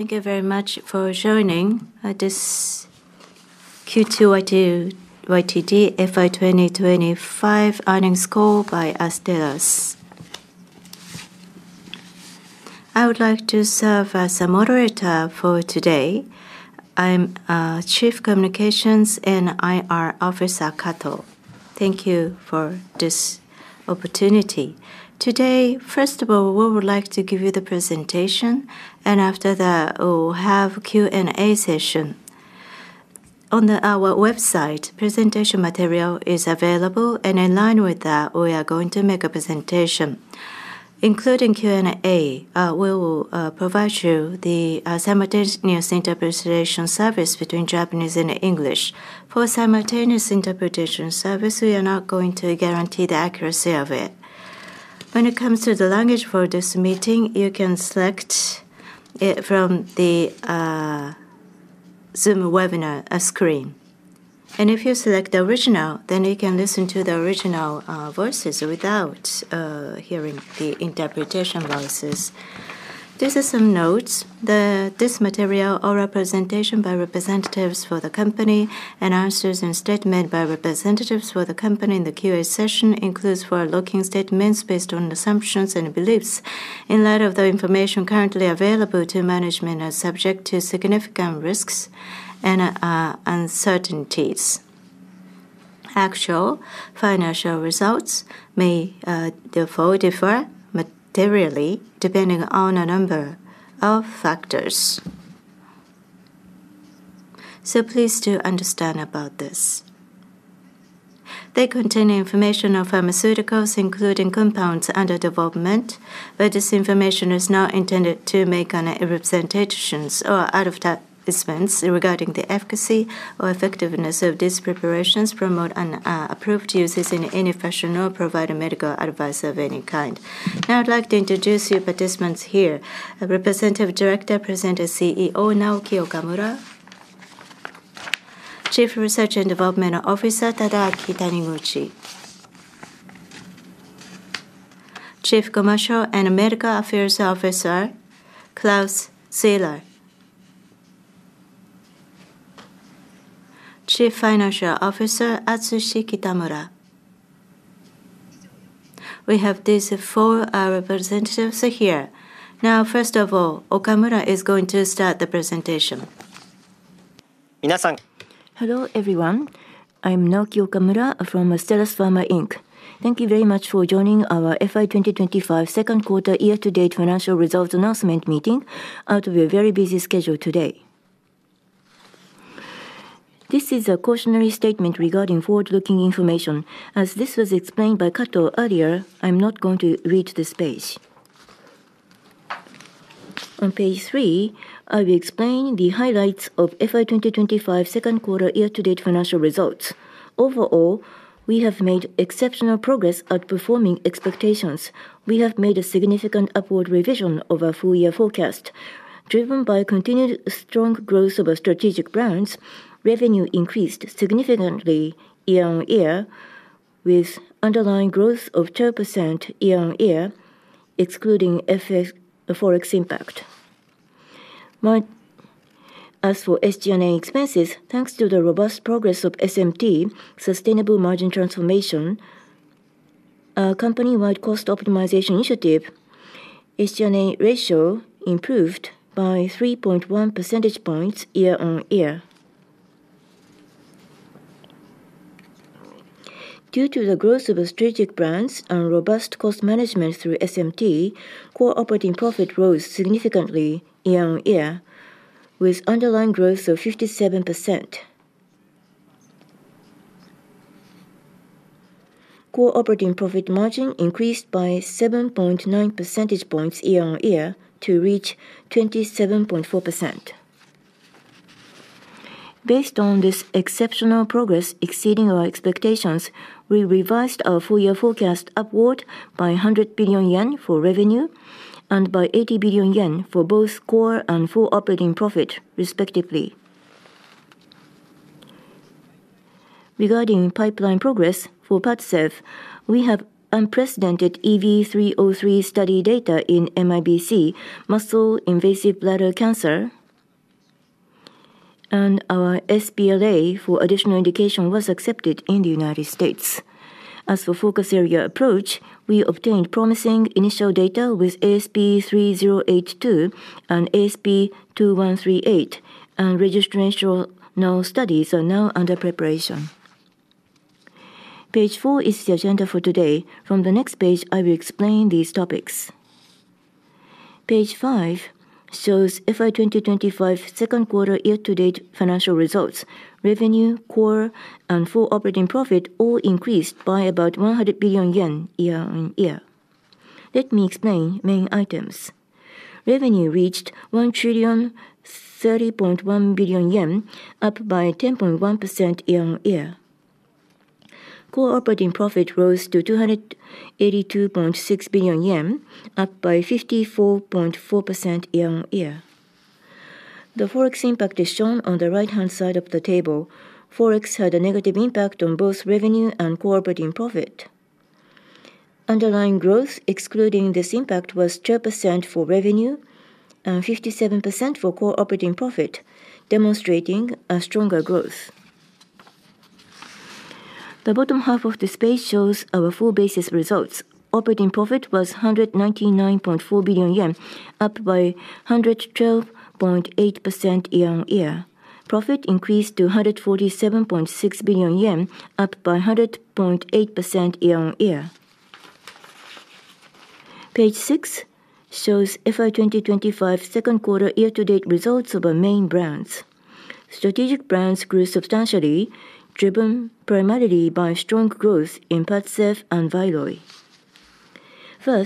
Thank you very much for joining this Q2 YTD FY 2025 earnings call by Astellas. I would like to serve as a moderator for today. I'm Chief Communications and IR Officer, Kato. Thank you for this opportunity today. First of all, we would like to give you the presentation and after that we'll have Q&A session. On our website, presentation material is available and in line with that we are going to make a presentation including Q&A. We will provide you the simultaneous interpretation service between Japanese and English. For simultaneous interpretation service, we are not going to guarantee the accuracy of it when it comes to the language. For this meeting, you can select from the Zoom webinar screen and if you select original then you can listen to the original voices without hearing the interpretation voices. These are some notes. This material or representation by representatives for the company and answers and statement by representatives for the company in the Q&A session includes forward looking statements based on assumptions and beliefs in light of the information currently available to management as subject to significant risks and uncertainties. Actual financial results may therefore differ materially depending on a number of factors. Please do understand about this. They contain information on pharmaceuticals including compounds under development, but this information is not intended to make representations or out of that regarding the efficacy or effectiveness of these preparations, promote an approved uses in any fashion or provide medical advice of any kind. Now I'd like to introduce you participants here. Representative Director, President and CEO Naoki Okamura, Chief Research and Development Officer Tadaaki Taniguchi, Chief Commercial and Medical Affairs Officer Claus Zeiler, Chief Financial Officer Atsushi Kitamura. We have these four representatives here. Now, first of all, Okamura is going to start the presentation. Hello everyone, I'm Naoki Okamura from Astellas Pharma, Inc. Thank you very much for joining our FY 2025 second quarter year-to-date financial results announcement meeting out of a very busy schedule today. This is a cautionary statement regarding forward-looking information as this was explained by Kato earlier. I'm not going to read this page. On page three I will explain the highlights of FY 2025 second quarter year-to-date financial results. Overall we have made exceptional progress at performing expectations. We have made a significant upward revision of our full-year forecast driven by continued strong growth of our strategic brands. Revenue increased significantly year-on-year with underlying growth of 12% year-on-year excluding forex impact. As for SG&A expenses, thanks to the robust progress of SMT, Sustainable Margin Transformation company-wide cost optimization initiative, SG&A ratio improved by 3.1 percentage points year-on-year. Due to the growth of strategic brands and robust cost management through SMT, core operating profit rose significantly year-on-year with underlying growth of 57%. Core operating profit margin increased by 7.9 percentage points year-on-year to reach 27.4%. Based on this exceptional progress exceeding our expectations, we revised our full-year forecast upward by 100 billion yen for revenue and by 80 billion yen for both core and full operating profit respectively. Regarding pipeline progress for PADCEV, we have unprecedented EV-303 study data in MIBC, muscle invasive bladder cancer, and our BLA for additional indication was accepted in the United States. As for focus area approach, we obtained promising initial data with ASP3082 and ASP2138 and registration-enabling studies are now under preparation. Page four is the agenda for today. From the next page I will explain these topics. Page five shows FY 2025 second quarter year-to-date financial results. Revenue, core and full operating profit all increased by about 100 billion yen year-on-year. Let me explain main items. Revenue reached 1,030.1 billion yen, up by 10.1% year-on-year. Core operating profit rose to 282.6 billion yen, up by 54.4% year-on-year. The forex impact is shown on the right-hand side of the table. Forex had a negative impact on both revenue and core operating profit. Underlying growth excluding this impact was 12% for revenue and 57% for core operating profit, demonstrating a stronger growth. The bottom half of this page shows our full basis results. Operating profit was 199.4 billion yen, up by 112.8% year-on-year. Profit increased to 147.6 billion yen, up by 100.8% year-on-year. Page six shows FY 2025 second quarter year-to-date results of our main brands. Strategic brands grew substantially, driven primarily by strong growth in PADCEV and VYLOY. For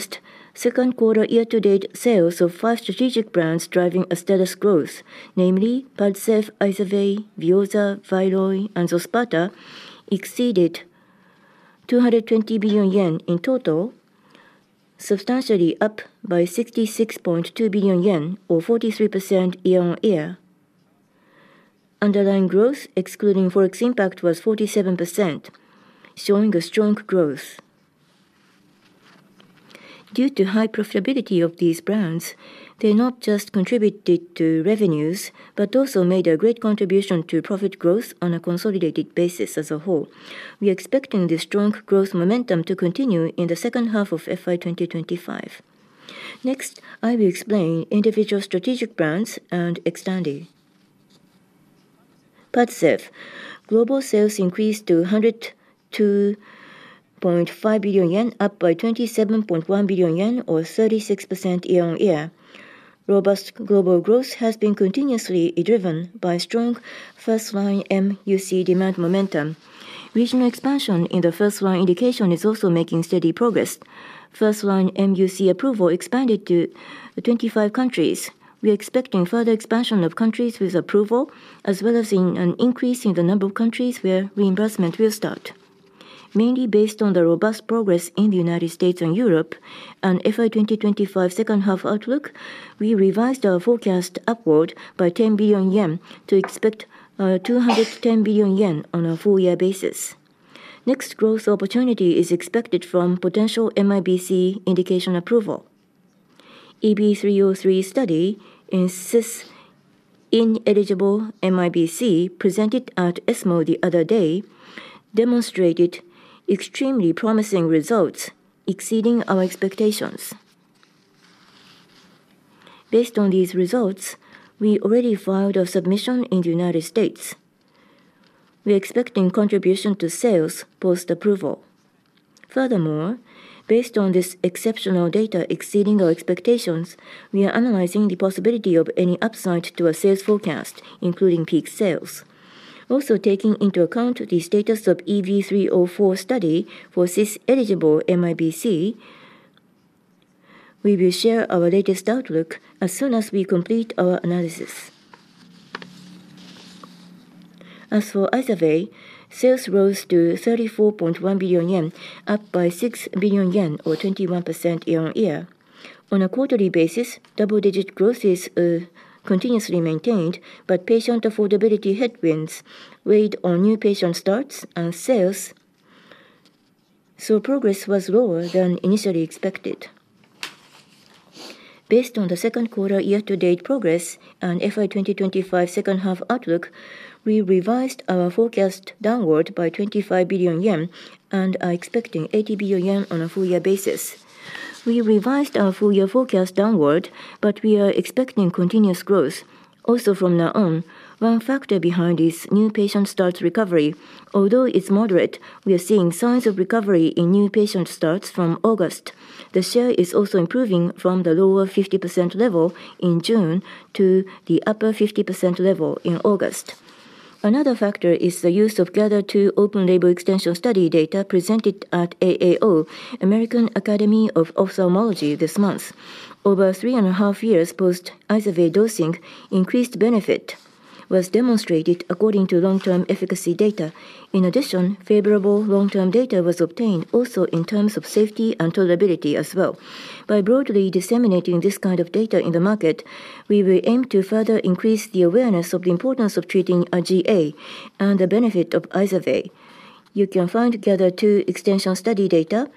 second quarter year to date, sales of five strategic brands driving Astellas Pharma's growth, namely PADCEV, IZERVAY, VEOZAH, VYLOY and XOSPATA, exceeded 220 billion yen in total, substantially up by 66.2 billion yen or 43% year-on-year. Underlying growth excluding forex impact was 47%, showing a strong growth. Due to high profitability of these brands, they not just contributed to revenues but also made a great contribution to profit growth on a consolidated basis. As a whole, we are expecting this strong growth momentum to continue in the second half of FY 2025. Next I will explain individual strategic brands and XTANDI. Part 7 global sales increased to 102.5 billion yen, up by 27.1 billion yen or 36% year-on-year. Robust global growth has been continuously driven by strong first line MUC demand momentum. Regional expansion in the first line indication is also making steady progress. First line MUC approval expanded to 25 countries. We are expecting further expansion of countries with approval as well as an increase in the number of countries where reimbursement will start, mainly based on the robust progress in the United States and Europe. In the FY 2025 second half outlook, we revised our forecast upward by 10 billion yen to expect 210 billion yen on a full year basis. Next growth opportunity is expected from potential MIBC indication approval. EV-303 study in cis-ineligible MIBC presented at ESMO the other day demonstrated extremely promising results exceeding our expectations. Based on these results, we already filed a submission in the United States. We are expecting contribution to sales post approval. Furthermore, based on this exceptional data exceeding our expectations, we are analyzing the possibility of any upside to our sales forecast including peak sales. Also taking into account the status of EV-304 study for cis-eligible MIBC. We.Will share our latest outlook as soon as we complete our analysis. As for IZERVAY, sales rose to 34.1 billion yen, up by 6 billion yen or 21% year-on-year on a quarterly basis. Double-digit growth is continuously maintained, but patient affordability headwinds weighed on new patient starts and sales, so progress was lower than initially expected. Based on the second quarter year-to-date progress and FY 2025 second half outlook, we revised our forecast downward by 25 billion yen and are expecting 80 billion yen on a full-year basis. We revised our full-year forecast downward, but we are expecting continuous also from now on. One factor behind this: new patient starts recovery. Although it's moderate, we are seeing signs of recovery in new patient starts from August. The share is also improving from the lower 50% level in June to the upper 50% level in August. Another factor is the use of GATHER2 open-label extension study data presented at AAO, American Academy of Ophthalmology, this month. Over 3.5 years post IZERVAY dosing, increased benefit was demonstrated according to long-term efficacy data. In addition, favorable long-term data was obtained also in terms of safety and tolerability as well. By broadly disseminating this kind of data in the market, we will aim to further increase the awareness of the importance of treating IGA and the benefit of IZERVAY. You can find GATHER2 extension study data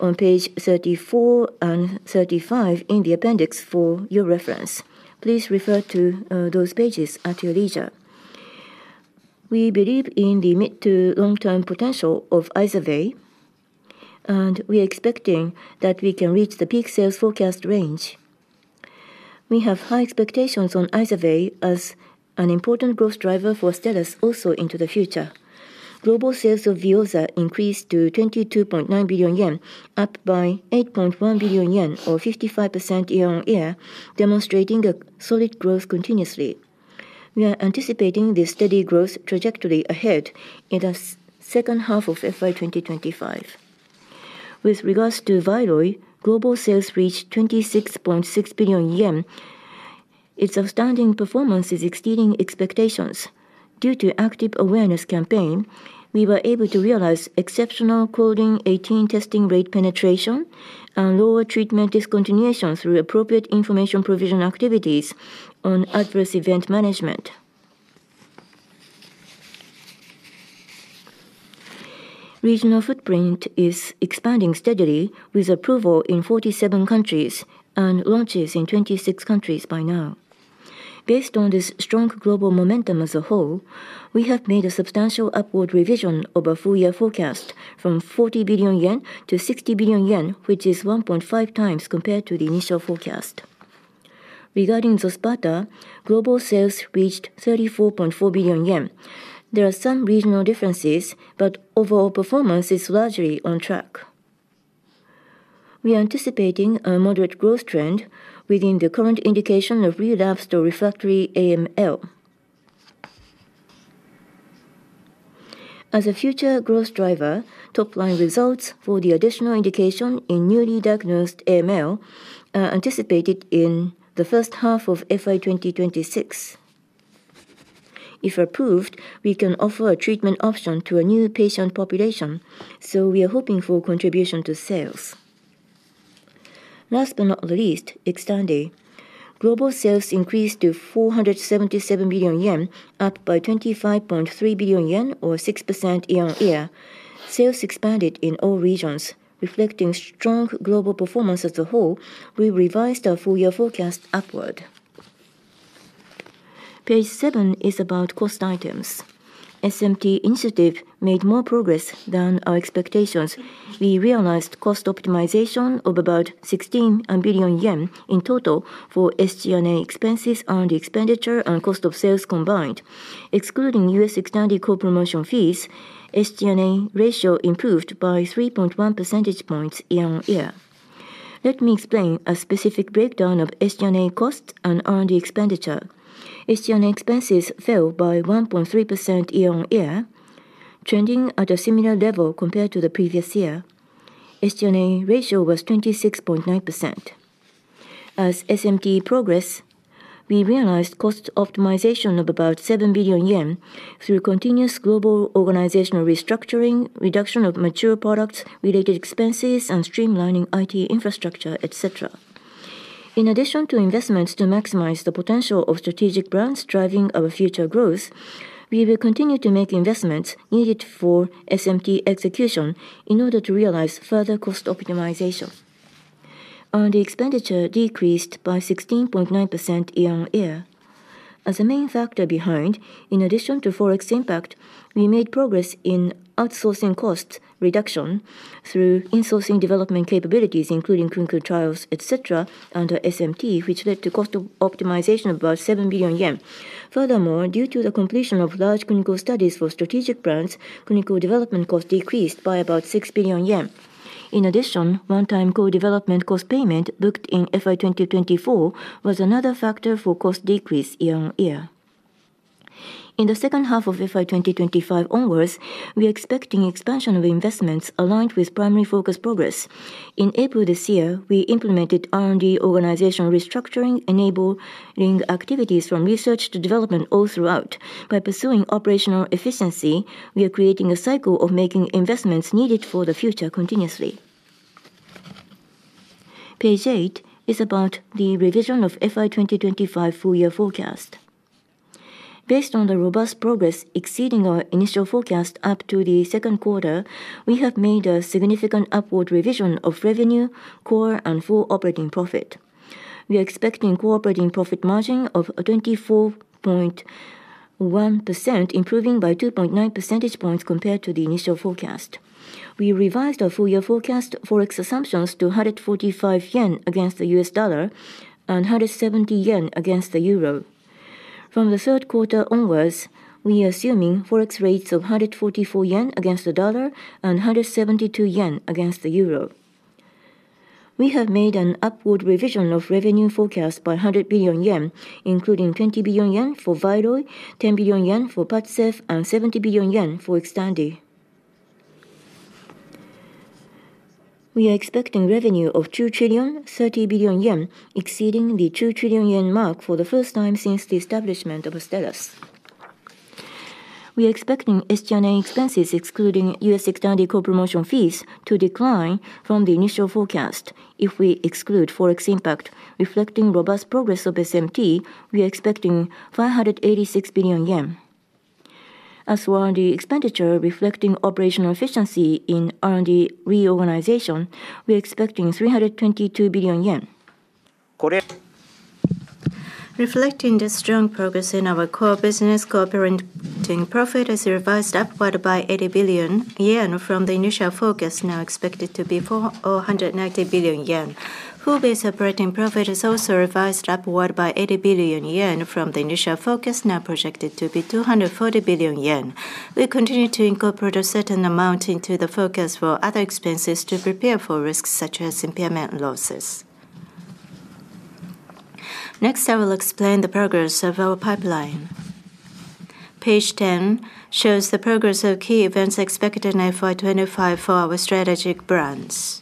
on page 34 and 35 in the Appendix for your reference. Please refer to those pages at your leisure. We believe in the mid to long-term potential of IZERVAY, and we are expecting that we can reach the peak sales forecast range. We have high expectations on IZERVAY as an important growth driver for Astellas Pharma also into the future. Global sales of VEOZAH increased to 22.9 billion yen, up by 8.1 billion yen or 55% year-on-year, demonstrating a solid growth continuous. We are anticipating this steady growth trajectory ahead in the second half of FY 2025. With regards to VYLOY, global sales reached 26.6 billion yen. Its outstanding performance is exceeding expectations due to active awareness campaign. We were able to realize exceptional coding 18 testing rate penetration and lower treatment discontinuation through appropriate information provision activities on adverse event management. Regional footprint is expanding steadily with approval in 47 countries and launches in 26 countries by now. Based on this strong global momentum as a whole, we have made a substantial upward revision of our full year forecast from 40 billion-60 billion yen, which is 1.5x compared to the initial forecast regarding XOSPATA. Global sales reached 34.4 billion yen. There are some regional differences, but overall performance is largely on track. We are anticipating a moderate growth trend within the current indication of relapsed or refractory AML as a future growth driver. Top line results for the additional indication in newly diagnosed AML are anticipated in the first half of FY 2026. If approved, we can offer a treatment option to a new patient population, so we are hoping for contribution to sales. Last but not least, XTANDI global sales increased to 477 billion yen, up by 25.3 billion yen or 6% year-on-year. Sales expanded in all regions, reflecting strong global performance as a whole. We revised our full year forecast upward. Page seven is about cost items. The SMT initiative made more progress than our expectations. We realized cost optimization of about 16 billion yen in total for SG&A expenses, earned expenditure and cost of sales combined, excluding U.S. Extended Core Promotion fees. The SG&A ratio improved by 3.1 percentage points year-on-year. Let me explain a specific breakdown of SG&A cost and R&D expenditure. SG&A expenses fell by 1.3% year-on-year, trending at a similar level compared to the previous year. The SG&A ratio was 26.9%. As SMT progressed, we realized cost optimization of about 7 billion yen through continuous global organizational restructuring, reduction of mature products related expenses, and streamlining IT infrastructure, etc. In addition to investments to maximize the potential of strategic brands driving our future growth, we will continue to make investments needed for SMT execution in order to realize further cost optimization. The expenditure decreased by 16.9% year-on-year as a main factor behind. In addition to forex impact, we made progress in outsourcing cost reduction through insourcing development capabilities including clinical trials, etc. under SMT, which led to cost optimization of about 7 billion yen. Furthermore, due to the completion of large clinical studies for strategic plans, clinical development cost decreased by about 6 billion yen. In addition, one-time co-development cost payment booked in FY 2024 was another factor for cost decrease year-on-year. In the second half of FY 2025 onwards, we are expecting expansion of investments aligned with primary focus progress. In April this year, we implemented R&D organizational restructuring enabling active research to development all throughout. By pursuing operational efficiency, we are creating a cycle of making investments needed for the future continuously. Page eight is about the revision of FY 2025 full year forecast. Based on the robust progress exceeding our initial forecast up to the second quarter, we have made a significant upward revision of revenue, core, and full operating profit. We are expecting core operating profit margin of 24.1%, improving by 2.9 percentage points compared to the initial forecast. We revised our full year forecast forex assumptions to 145 yen against the U.S. dollar and 170 yen against the euro. From the third quarter onwards, we are assuming forex rates of 144 yen against the dollar and 172 yen against the euro. We have made an upward revision of revenue forecast by 100 billion yen, including 20 billion yen for VYLOY, 10 billion yen for PADCEV, and 70 billion yen for XTANDI. We are expecting revenue of 2.03 trillion, exceeding the 2 trillion yen mark for the first time since the establishment of Astellas. We are expecting SG&A expenses excluding U.S. external promotion fees to decline from the initial forecast. If we exclude forex impact reflecting robust progress of SMT, we are expecting 586 billion yen. As for R&D expenditure reflecting operational efficiency in R&D reorganization, we are expecting JPY 322 billion. Reflecting the strong progress in our core business. Core operating profit is revised upward by 80 billion yen from the initial focus, now expected to be 490 billion yen. Hubei's operating profit is also revised upward by 80 billion yen from the initial focus, now projected to be 240 billion yen. We continue to incorporate a certain amount into the focus for other expenses to prepare for risks such as impairment losses. Next, I will explain the progress of our pipeline. Page 10 shows the progress of key events expected in FY 2025 for our strategic brands.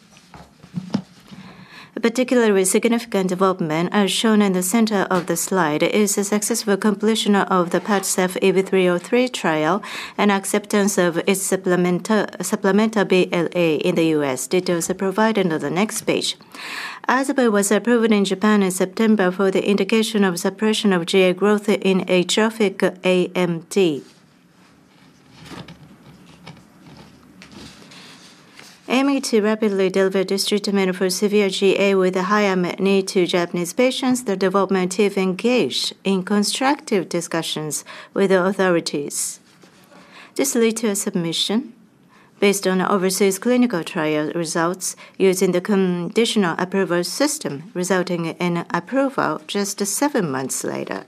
A particularly significant development, as shown in the center of the slide, is the successful completion of the PADCEV EV-303 trial and acceptance of its supplemental BLA in the U.S. Details are provided on the next page. IZERVAY was approved in Japan in September for the indication of suppression of GA growth in atrophic AMD. Aiming to rapidly deliver this treatment for severe GA with a high unmet need to Japanese patients, the development team engaged in constructive discussions with the authorities. This led to a submission based on overseas clinical trial results using the conditional approval system, resulting in approval just seven months later.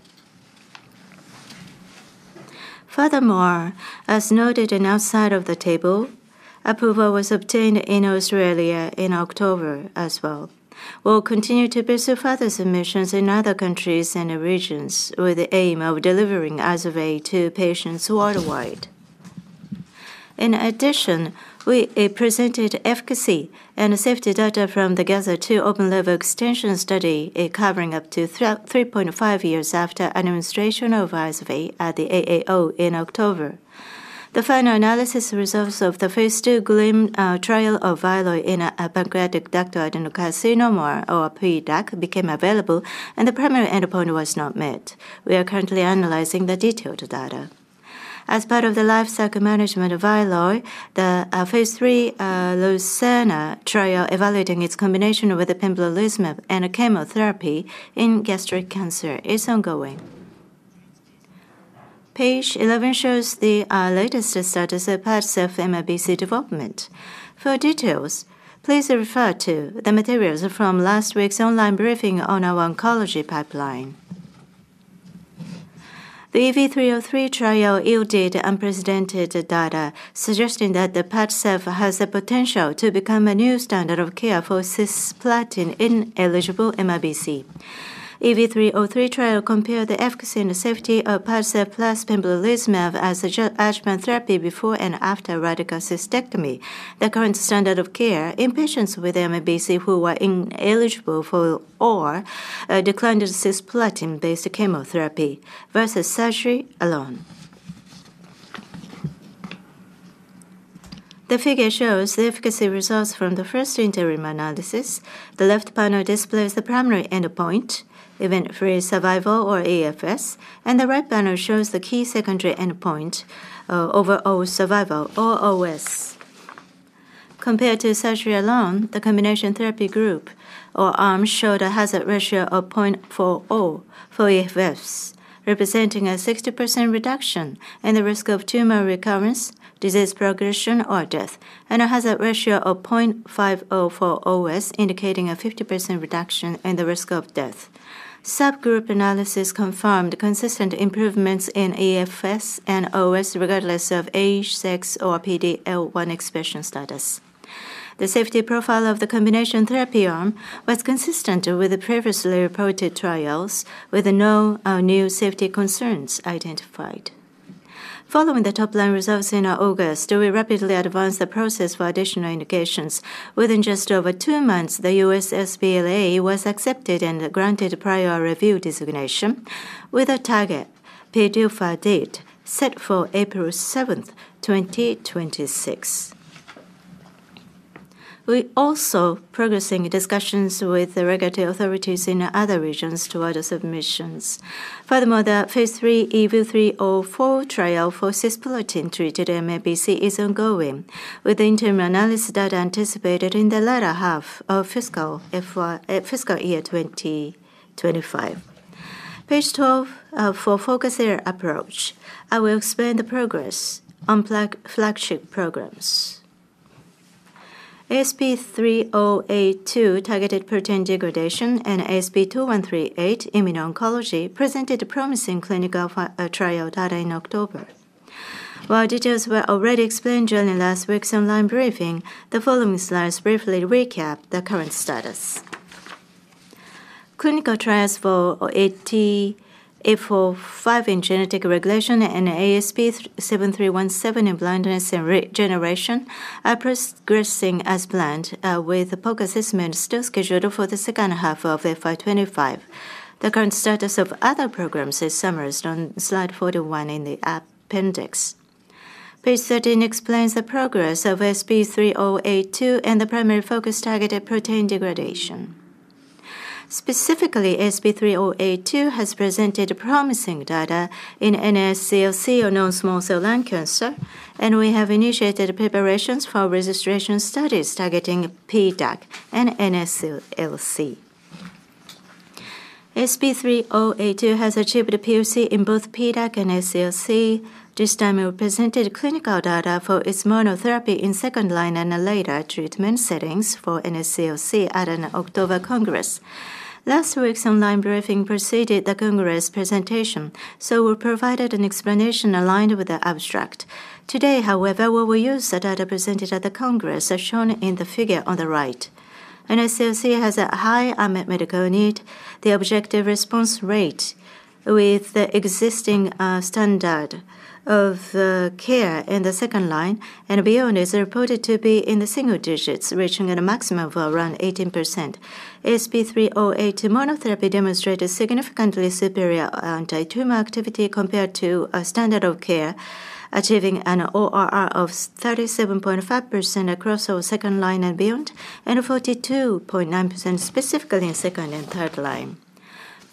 Furthermore, as noted and outside of the table, approval was obtained in Australia in October as well. We'll continue to pursue further submissions in other countries and regions with the aim of delivering IZERVAY to patients worldwide. In addition, we presented efficacy and safety data from the GATHER2 open-label extension study covering up to 3.5 years after administration of IZERVAY at the AAO. In October, the final analysis results of the phase II GLEAM trial of VYLOY in pancreatic ductal adenocarcinoma, or PDAC, became available and the primary endpoint was not met. We are currently analyzing the detailed data as part of the lifecycle management of VYLOY. The phase III LUCENE trial evaluating its combination with pembrolizumab and chemotherapy in gastric cancer is ongoing. Page 11 shows the latest status parts of MIBC development. For details, please refer to the materials from last week's online briefing on our oncology pipeline. The EV-303 trial yielded unprecedented data suggesting that PADCEV has the potential to become a new standard of care for cisplatin-ineligible MIBC. EV-303 trial compared the efficacy and safety of PADCEV plus pembrolizumab as neoadjuvant therapy before and after radical cystectomy, the current standard of care in patients with MIBC who were ineligible for or declined cisplatin-based chemotherapy versus surgery alone. The figure shows the efficacy results from the first interim analysis. The left panel displays the primary endpoint event-free survival or EFS, and the right panel shows the key secondary endpoint overall survival or OS compared to surgery alone. The combination therapy group or arm showed a hazard ratio of 0.40 for EFS, representing a 60% reduction in the risk of tumor recurrence, disease progression, or death, and a hazard ratio of 0.50 for OS, indicating a 50% reduction in the risk of death. Subgroup analysis confirmed consistent improvements in EFS and OS regardless of age, sex, or PD-L1 expression status. The safety profile of the combination therapy arm was consistent with the previously reported trials with no new safety concerns identified. Following the top-line results in August, we rapidly advanced the process for additional indications within just over two months. The U.S. BLA was accepted and granted priority review designation with a target PDUFA date set for April 7th, 2026. We are also progressing discussions with regulatory authorities in other regions for other submissions. Furthermore, the phase III EV-304 trial for cisplatin-treated MIBC is ongoing with interim analysis data anticipated in the latter half of fiscal year 2025. Page 12 for Focus Area approach, I will explain the progress on flagship programs ASP3082 targeted protein degradation and ASP2138 immuno-oncology, present promising clinical trial data in October. While details were already explained during last week's online briefing, the following slides briefly recap the current status. Clinical trials for OTA-4/5 in genetic regulation and ASP7317 in blindness and regeneration are progressing as planned, with POC assessment still scheduled for the second half of FY 2025. The current status of other programs is summarized on slide 41 in the appendix. Page 13 explains the progress of ASP3082 and the primary focus, targeted protein degradation. Specifically, ASP3082 has presented promising data in NSCLC or non-small cell lung cancer, and we have initiated preparations for registration studies targeting PDAC and NSCLC. ASP3082 has achieved POC in both PDAC and SCLC. This time we presented clinical data for its monotherapy in second line analytic treatment settings for NSCLC at an October Congress. Last week's online briefing preceded the Congress presentation, so we provided an explanation aligned with the abstract. Today, however, we will use the data presented at the Congress. As shown in the figure on the right, NSCLC has a high unmet medical need. The objective response rate with the existing standard of care in the second line and beyond is reported to be in the single digits, reaching at a maximum of around 18%. ASP3082 monotherapy demonstrated significantly superior anti-tumor activity compared to standard of care, achieving an ORR of 37.5% across our second line and beyond and 42.9% specifically in second and third line.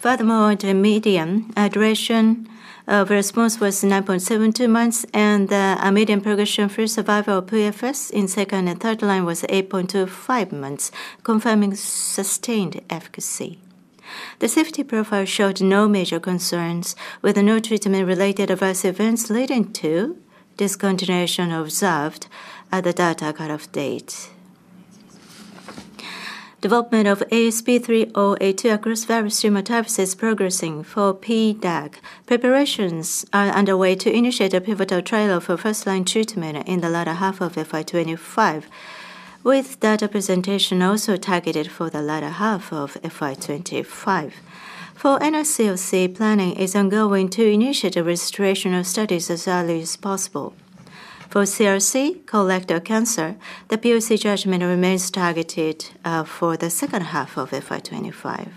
Furthermore, the median duration of response was 9.72 months and a median progression free survival or PFS in second and third line was 8.25 months, confirming sustained efficacy. The safety profile showed no major concerns with no treatment-related adverse events leading to discontinuation observed at the data cutoff date. Development of ASP3082 across various tumor types is progressing. For PDAC, preparations are underway to initiate a pivotal trial for first line treatment in the latter half of FY 2025 with data presentation also targeted for the latter half of FY 2025. For NRCOC, planning is ongoing to initiate restoration of studies as early as possible. For CRC, colorectal cancer, the POC judgment remains targeted for the second half of FY 2025.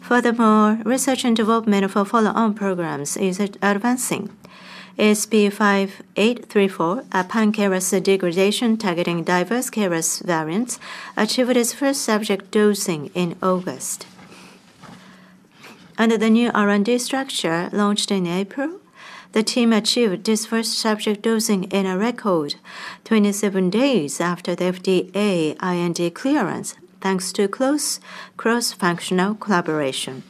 Furthermore, research and development for follow-on programs is advancing. ASP5834, upon KRAS degradation targeting diverse KRAS variants, achieved its first subject dosing in August. Under the new R&D structure launched in April, the team achieved its first subject dosing in a record 27 days after the FDA IND clearance. Thanks to close cross-functional collaboration,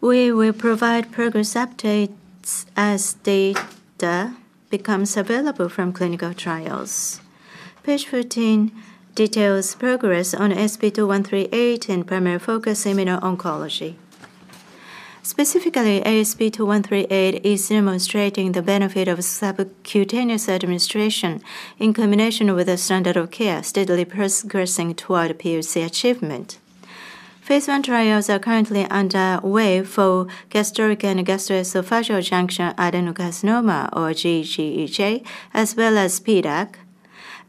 we will provide progress updates as data becomes available. From clinical trials, page 14 details progress on ASP2138 and primary focus seminar oncology specifically. ASP2138 is demonstrating the benefit of subcutaneous administration in combination with the standard of care, steadily progressing toward POC achievement. Phase 1 trials are currently underway for gastric and gastroesophageal junction adenocarcinoma or GGE as well as PDAC.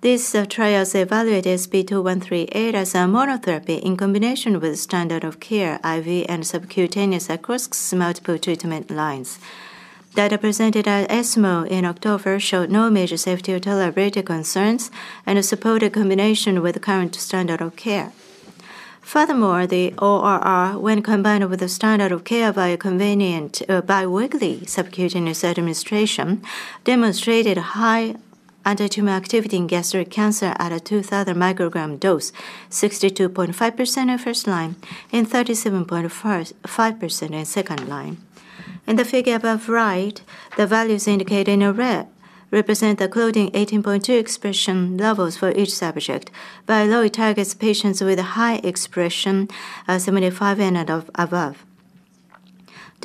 These trials evaluate ASP2138 as a monotherapy in combination with standard of care IV and subcutaneous across multiple treatment lines. Data presented at ESMO in October showed no major safety or elaborated concern concerns and support a combination with current standard of care. Furthermore, the ORR, when combined with the standard of care by a convenient biweekly subcutaneous administration, demonstrated high antitumor activity in gastric cancer at a 2000 microgram dose: 62.5% in first line and 37.5% in second line. In the figure above right, the values indicated in red represent the CLDN18.2 expression levels for each subject by low IT targets patients with high expression 75 N and above.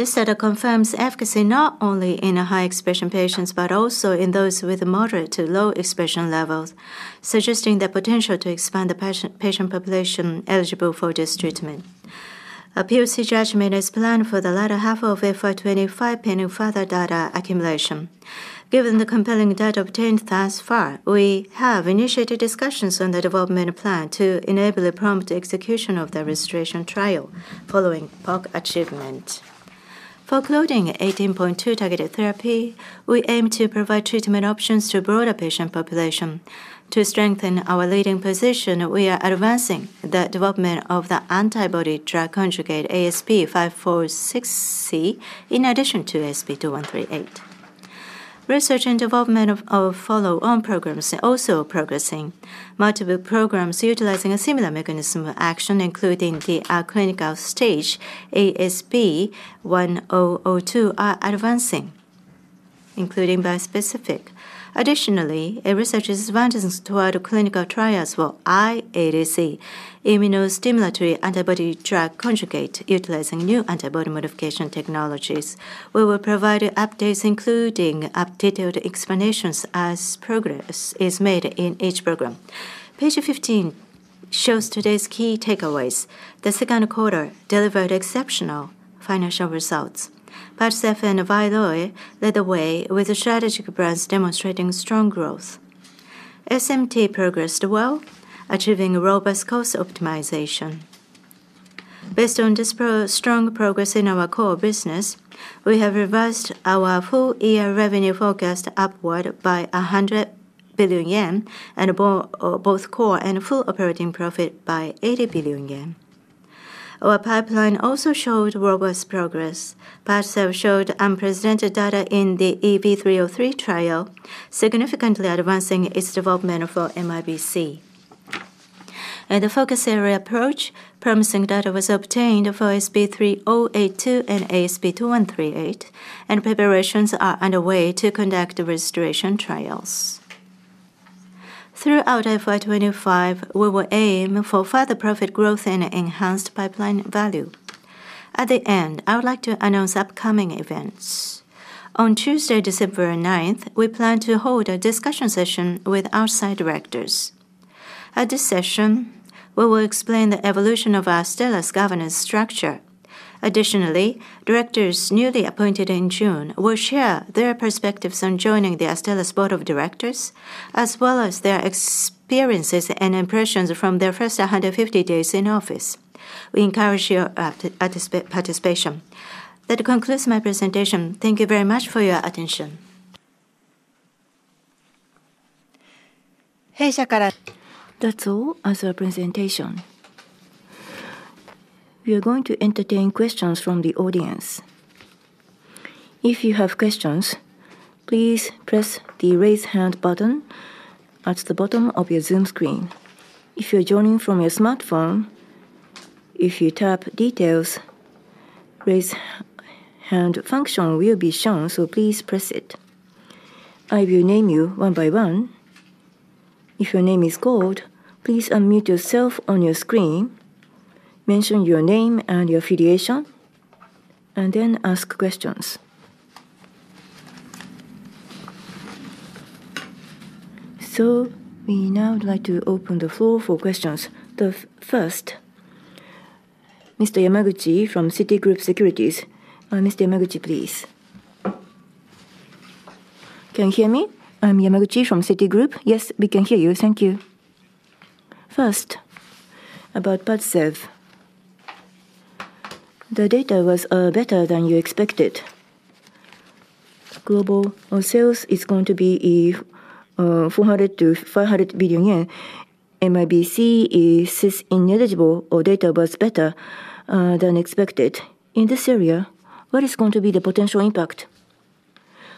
This data confirms efficacy not only in high expression patients but also in those with moderate to low expression levels, suggesting the potential to expand the patient population eligible for this treatment. A POC judgment is planned for the latter half of FY 2025. Given the compelling data obtained thus far, we have initiated discussions on the development plan to enable the prompt execution of the Restoration trial following POC achievement for CLDN18.2 targeted therapy. We aim to provide treatment options to a broader patient population. To strengthen our leading position, we are advancing the development of the antibody drug conjugate as in addition to ASP2138, research and development of follow-on programs are also progressing. Multiple programs utilizing a similar mechanism of action including the clinical stage ASB1002 are advancing including bispecific. Additionally, a research advantage toward clinical trials for IADC immunostimulatory antibody drug conjugate utilizing new antibody modification technologies. We will provide updates including updated explanations as progress is made in each program. Page 15 shows today's key takeaways. The second quarter delivered exceptional financial results. PADCEV and VYLOY led the way with strategic brands demonstrating strong growth. SMT progressed well, achieving robust cost optimization. Based on this strong progress in our core business, we have reversed our full year revenue forecast upward by 100 billion yen and both core and full operating profit by 80 billion yen. Our pipeline also showed robust progress. PADCEV showed unprecedented data in the EV-303 trial, significantly advancing its development for MIBC in the focus area approach. Promising data was obtained for ASP3082 and ASP2138 and preparations are underway to conduct registration trials throughout FY 2025. We will aim for further profit growth and enhanced pipeline value at the end. I would like to announce upcoming events. On Tuesday, December 9th, we plan to hold a discussion session with outside directors. At this session, we will explain the evolution of Astellas governance structure. Additionally, directors newly appointed in June will share their perspectives on joining the Astellas Board of Directors as well as their experiences and impressions from their first 150 days in office. We encourage your participation. That concludes my presentation. Thank you very much for your attention. Hey Sei Kato, that's all. As a presentation, we are going to entertain questions from the audience. If you have questions, please press the raise hand button at the bottom of your Zoom screen. If you are joining from your smartphone, if you tap details, the raise hand function will be shown, so please press it. I will name you one by one. If your name is called, please unmute yourself on your screen, mention your name and your affiliation, and then ask questions. We now would like to open the floor for questions. The first, Mr. Yamaguchi from Citigroup. Mr. Yamaguchi, please, can you hear me? I'm Yamaguchi from Citigroup. Yes, we can hear you. Thank you. First, about PADCEV, the data was better than you expected. Global sales are going to be 400 billion-500 billion yen. MIBC is ineligible or data was better than expected in this area. What is going to be the potential impact?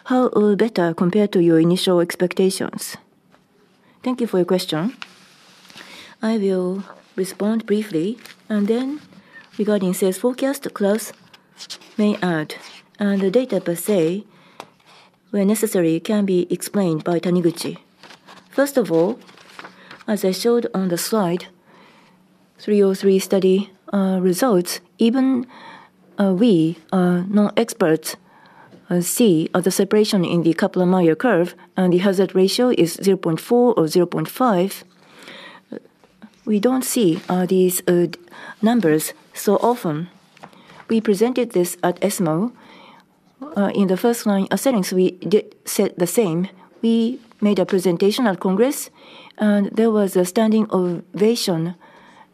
How better compared to your initial expectations? Thank you for your question. I will respond briefly and then regarding sales forecast class may add and the data per se where necessary can be explained by Taniguchi. First of all, as I showed on. The slide 303 study results, even we non-experts see the separation in the Kaplan-Meier curve and the hazard ratio is 0.4 or 0.5. We don't see these numbers so often. We presented this at ESMO in the first line of settings, we said the same. We made a presentation at Congress and there was a standing ovation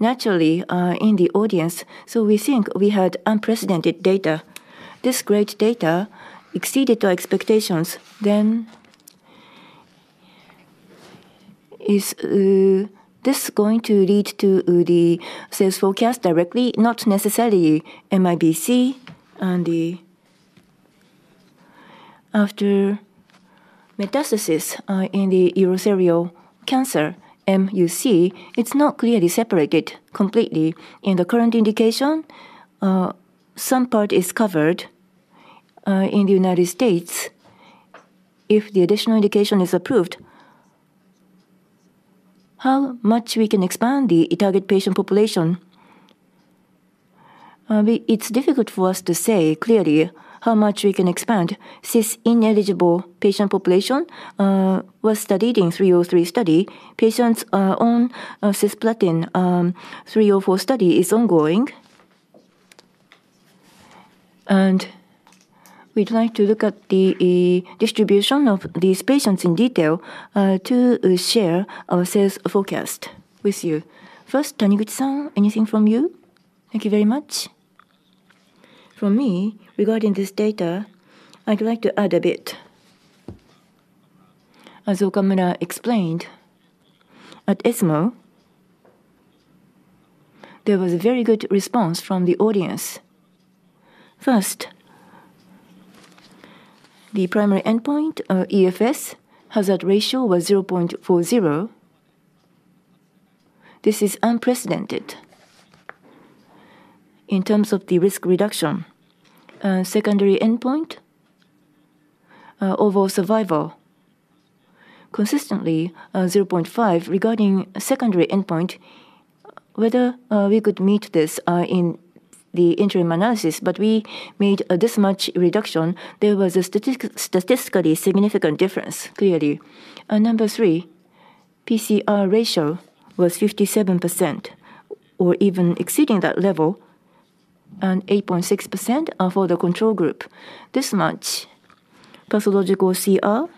naturally in the audience. We think we had unprecedented data. This great data exceeded our expectations. Is this going to lead to the sales forecast directly? Not necessarily. MIBC and after metastasis in the urothelial cancer MUC, it's not clearly separated completely in the current indication. Some part is covered in the United States if the additional indication is approved. How much we can expand the target patient population? It's difficult for us to say clearly how much we can expand. CIS ineligible patient population was studied in 303 study. Patients on cisplatin 3 or 4 study is ongoing and we'd like to look at the distribution of these patients in detail. To share our sales forecast with you first, Taniguchi-san, anything from you. Thank you very much. For me, regarding this data, I'd like to add a bit. As Okamura explained at ESMO, there was a very good response from the audience. First, the primary endpoint EFS hazard ratio was 0.40. This is unprecedented in terms of the risk reduction. Secondary endpoint overall survival consistently 0.5. Regarding secondary endpoint, whether we could meet this in the interim analysis, we made this much reduction. There was a statistically significant difference. Clearly, number three, PCR ratio was 57% or even exceeding that level and 8.6% are for the control group. This much pathological CR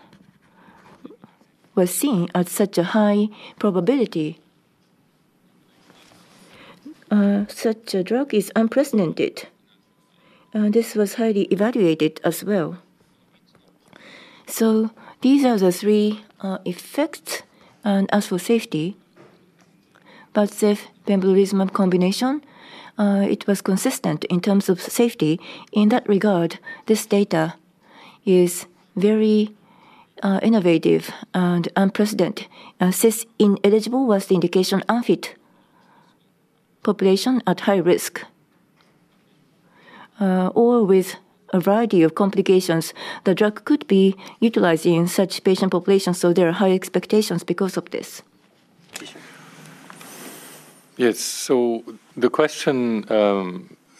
was seen at such a high probability. Such a drug is unprecedented. This was highly evaluated as well. These are the three effects. As for safety, the pembrolizumab combination was consistent in terms of safety. In that regard, this data is very innovative and unprecedented. Says ineligible was the indication unfit population, at high risk or with a variety of complications. The drug could be utilized in such patient population. There are high expectations because of this. Yes, so the question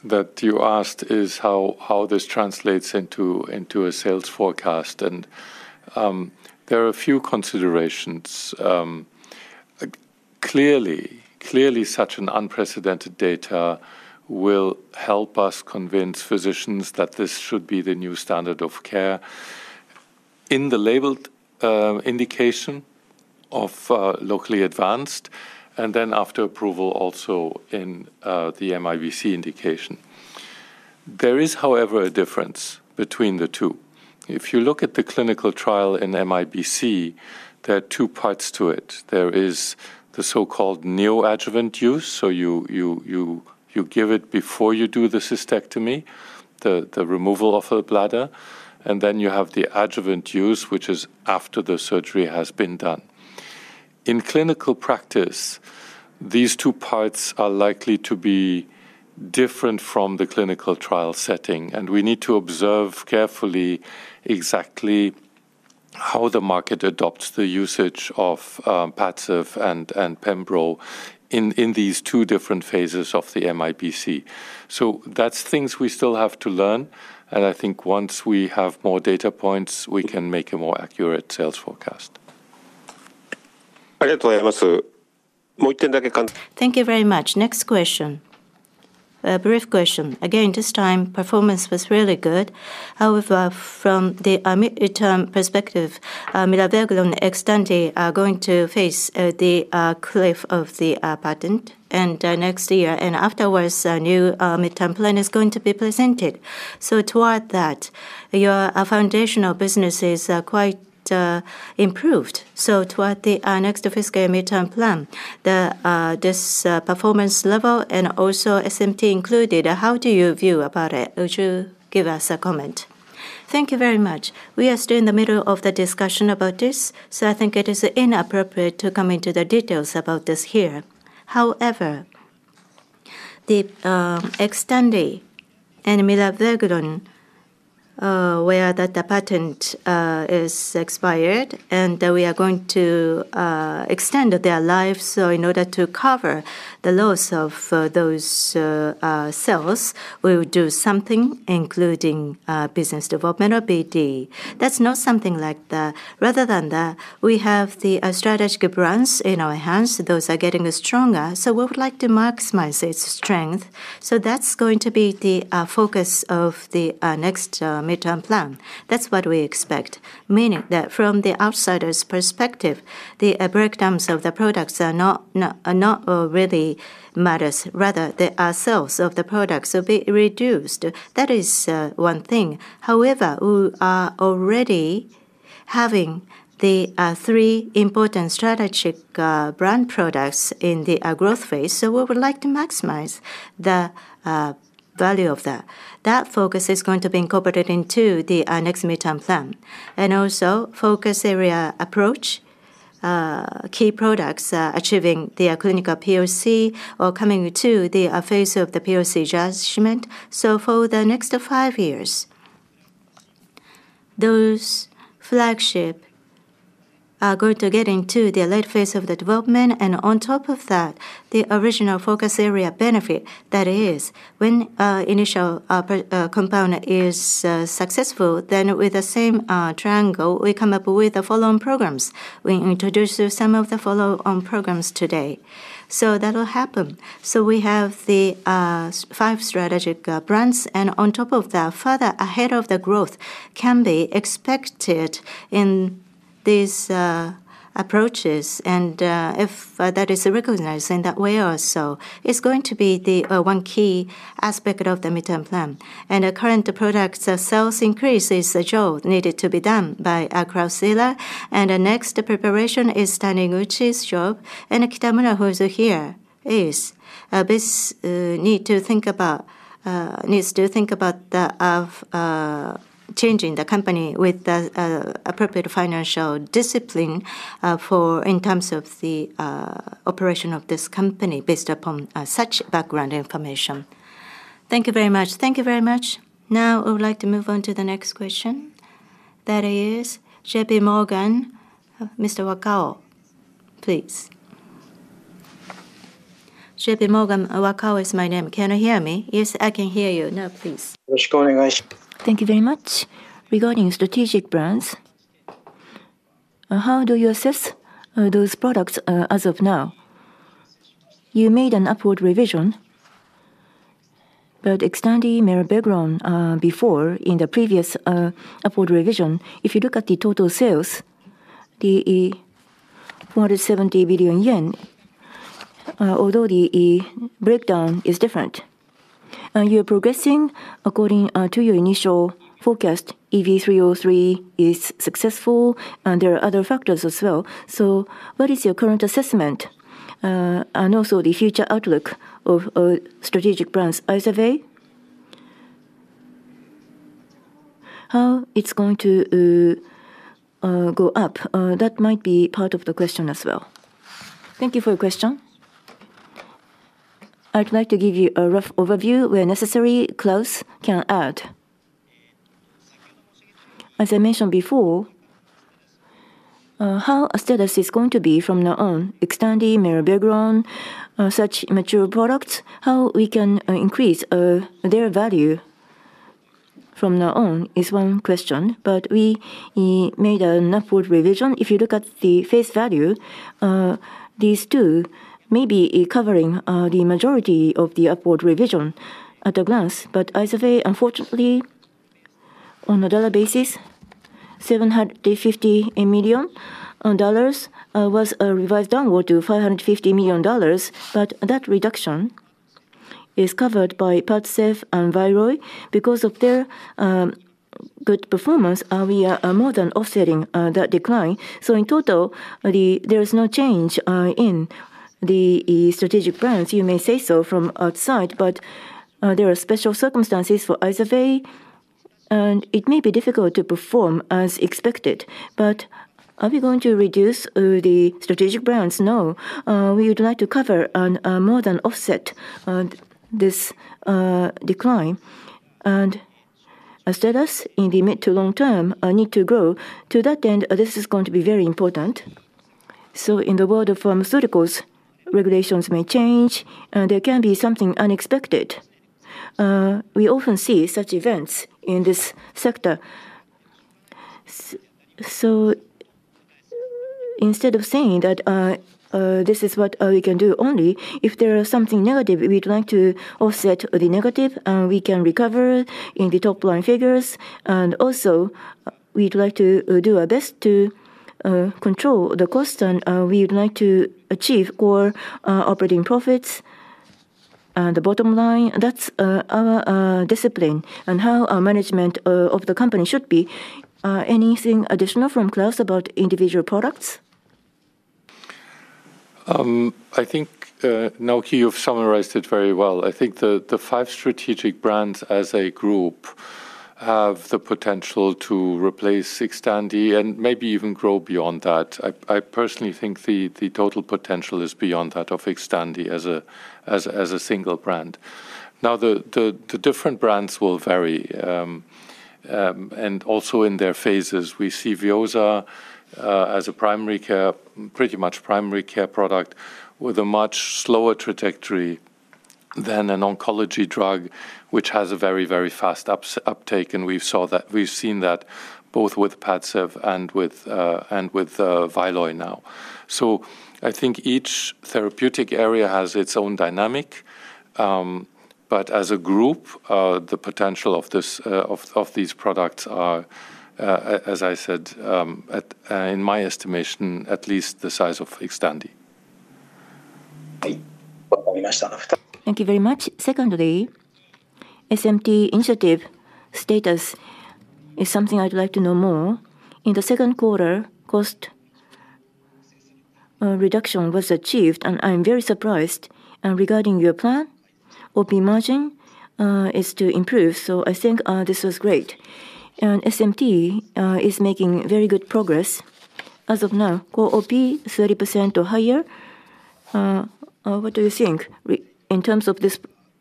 that you asked is how this translates into a sales forecast. There are a few considerations. Clearly, clearly such an unprecedented data will help us convince physicians that this should be the new standard of care in the labeled indication of locally advanced and then after approval also in the MIBC indication. There is, however, a difference between the two. If you look at the clinical trial in MIBC, there are two parts to it. There is the so-called neoadjuvant use, so you give it before you do the cystectomy, the removal of a bladder, and then you have the adjuvant use, which is after the surgery has been done. In clinical practice, these two parts are likely to be different from the clinical trial setting. We need to observe carefully exactly how the market adopts the usage of PADCEV and Pembro in these two different phases of the MIBC. Those are things we still have to learn, and I think once we have more data points, we can make a more efficient, accurate sales forecast. Thank you very much. Next question, a brief question again. This time performance was really good. However, from the midterm perspective, we are going to face the cliff of the patent and next year and afterwards a new midterm plan is going to be presented. Toward that, your foundational businesses are quite improved. Toward the next fiscal midterm plan, this performance level and also SMT included, how do you view about it? Would you give us a comment? Thank you very much. We are still in the middle of the discussion about this, so I think it is inappropriate to come into the details about this here. However, the XTANDI and MIBC, where the patent is expired, and we are going to extend their lives. In order to cover the loss of those sales, we will do something including business development or BD, that's not something like that. Rather than that, we have the strategic brands in our hands, those are getting stronger. We would like to maximize its strength. That is going to be the focus of the next midterm plan. That's what we expect. Meaning that from the outsider's perspective, the breakdowns of the products are not really matters. Rather, the sales of the products will be reduced. That is one thing. However, we are already having the three important strategic brand products in the growth phase. We would like to maximize the value of that. That focus is going to be incorporated into the next midterm plan and also focus area approach, key products achieving their clinical POC or coming to the phase of the POC judgment. For the next five years, those flagship going to get into the late phase of the development and on top of that the original focus area benefit, that is when initial compound is successful. Then with the same triangle, we come up with the following programs. We introduce some of the follow-on programs today. That will happen. We have the five strategic brands and on top of that, further ahead of the growth. Growth can be expected in these approaches and if that is recognized in that way or so, it's going to be the one key aspect of the midterm plan. The current product sales increase is a job needed to be done by Okamura and next preparation is Taniguchi's job. Kitamura, who is here, needs to think about changing the company with appropriate financial discipline in terms of the operation of this company based upon such background information. Thank you very much. Thank you very much. Now I would like to move on to the next question, that is JPMorgan, Mr. Wakao, please. JPMorgan, Wakao is my name. Can you hear me? Yes, I can hear you now, please. Thank you very much. Regarding strategic brands, how do you assess those products? As of now you made an upward revision, but extending the mirror background before in the previous upward revision, if you look at the total sales, the 470 billion yen, although the breakdown is different, you are progressing according to your initial forecast. EV-303 is successful and there are other factors as well. What is your current assessment? Also, the future outlook of strategic brands is of how it's going to go up. That might be part of the question as well. Thank you for your question. I'd like to give you a rough overview where necessary. Claus can add as I mentioned before, how Astellas Pharma is going to be from now on. Extending mirror background such immature products, how we can increase their value from now on is one question. We made an upward revision. If you look at the face value, these two may be covering the majority of the upward revision at a glance. IZERVAY unfortunately on a dollar basis, $750 million was revised downward to $550 million. That reduction is covered by PADCEV and VYLOY. Because of their good performance, we are more than offsetting that decline. In total there is no change in the strategic brands. You may say so from outside, but there are special circumstances for IZERVAY and it may be difficult to perform as expected. Are we going to reduce the strategic brands? No, we would like to cover more than offset this decline and Astellas in the mid to long term needs to grow. To that end, this is going to be very important. In the world of pharmaceuticals, regulations may change and there can be something unexpected. We often see such events in this sector. Instead of saying that this is what we can do only if there is something negative, we'd like to offset the negative and we can recover in the top line figures. Also, we'd like to do our best to control the cost and we would like to achieve core operating profit, the bottom line. That's our discipline and how our management of the company should be. Anything additional from Claus about individual products? I think, Naoki, you've summarized it very well. I think the five strategic brands as a group have the potential to replace XTANDI and maybe even grow beyond that. I personally think the total potential is beyond that of XTANDI as a single brand. Now, the different brands will vary and also in their phases. We see VEOZAH as a primary care, pretty much primary care product with a much slower trajectory than an oncology drug, which has a very, very fast uptake. We've seen that both with PADCEV and with VYLOY now. I think each therapeutic area has its own dynamic. As a group, the potential of these products is, as I said, in my estimation, at least the size of XTANDI. Thank you very much. Secondly, SMT initiative status is something I'd like to know more. In the second quarter, cost reduction was achieved and I'm very surprised. Regarding your plan, OP margin is to improve. I think this was great and SMT is making very good progress as of now. OP 30% or higher. What do you think in terms of this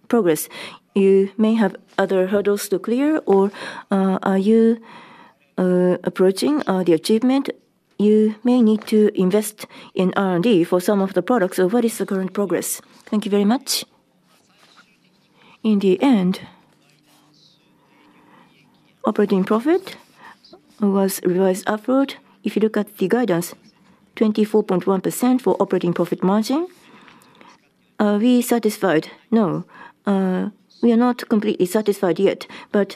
progress? You may have other hurdles to clear or are you approaching the achievement? You may need to invest in R&D for some of the products. What is the current progress? Thank you very much. In the end, operating profit was revised upward. If you look at the guidance, 24.1% for operating profit margin. Are we satisfied? No, we are not completely satisfied yet.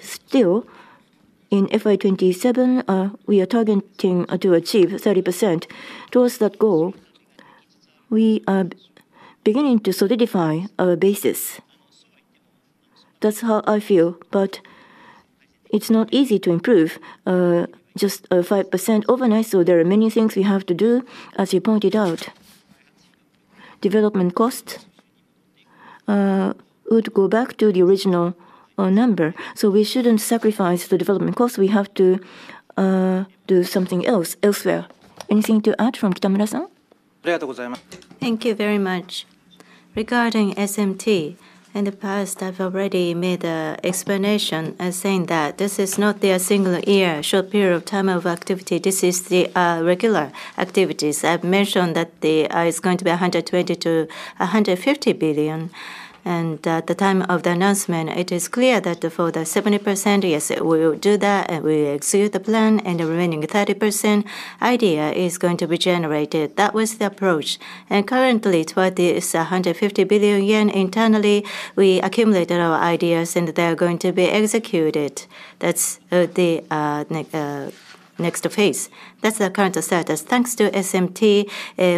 Still, in FY 2027 we are targeting to achieve 30%. Towards that goal, we are beginning to solidify our basis. That's how I feel. It's not easy to improve just 5% overnight. There are many things we have to do. As you pointed out, development cost would go back to the original number. We shouldn't sacrifice the development cost. We have to do something else elsewhere. Anything to add from. Thank you very much. Regarding SMT, in the past, I've already made an explanation as saying that this is not their single year short period of time of activity, this is the regular activities. I've mentioned that it's going to be 120 billion to 150 billion. At the time of the announcement, it's clear that for the 70%, yes, we will do that and we execute the plan and the remaining 30% idea is going to be generated. That was the approach and currently it is 150 billion yen. Internally, we accumulated our ideas and they are going to be executed. That's the next phase. That's the current status. Thanks to SMT,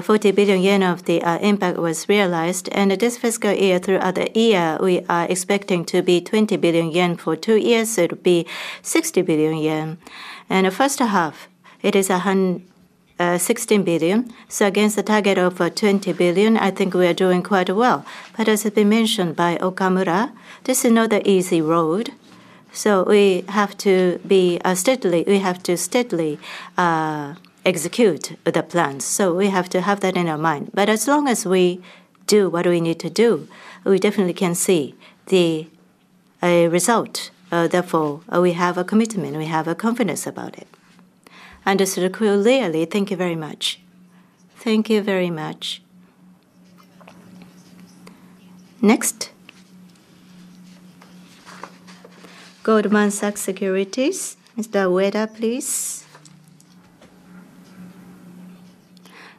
40 billion yen of the impact was realized. This fiscal year, throughout the year, we are expecting to be 20 billion yen. For two years, it will be 60 billion yen. In the first half, it is 16 billion. Against the target of 20 billion, I think we are doing quite well. As has been mentioned by Okamura, this is not the easy road. We have to steadily execute the plans. We have to have that in our mind. As long as we do what we need to do, we definitely can see the result. Therefore, we have a commitment, we have a confidence about it. Under Sir KU Leali. Thank you very much. Thank you very much. Next, Goldman Sachs Securities. Mr. Weda, please.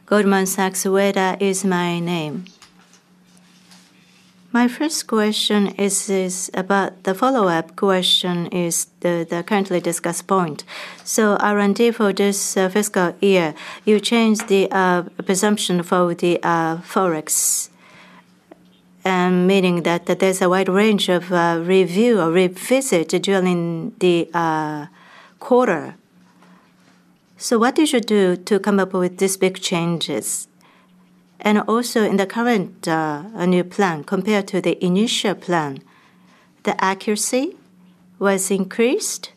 Goldman Sachs, Weda is my name. My first question is about the follow-up question, is the currently discussed point, so R&D for this fiscal year, you changed the presumption for the Forex, meaning that there's a wide range of review or revisit during the quarter. What did you do to come up with these big changes? Also, in the current new plan, compared to the initial plan, the accuracy was increased.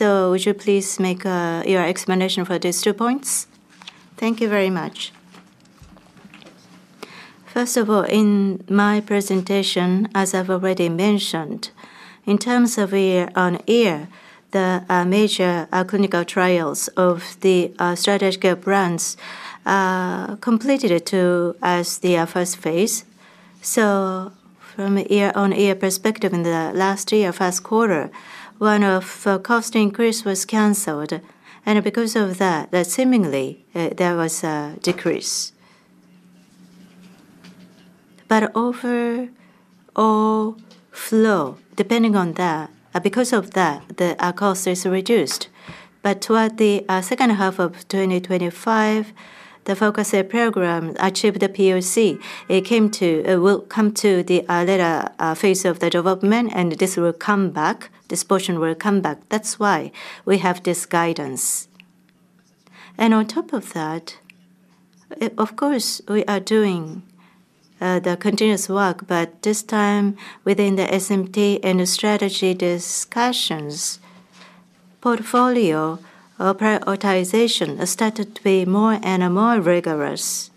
Would you please make your explanation for these two points. Thank you very much. First of all, in my presentation, as I've already mentioned, in terms of year-on-year, the major clinical trials of the strategic brands completed as their first phase. From year-on-year perspective, in the last year first quarter, one of cost increase was canceled. Because of that, seemingly there was a decrease. Overall flow depending on that, because of that, the cost is reduced. Toward the second half of 2025, the focus program achieved, the POC will come to the later phase of the development and this will come back. This portion will come back. That's why we have this guidance. On top of that, of course we are doing the continuous work. This time, within the SMT and strategy discussions, portfolio prioritization started to be more and more rigorous.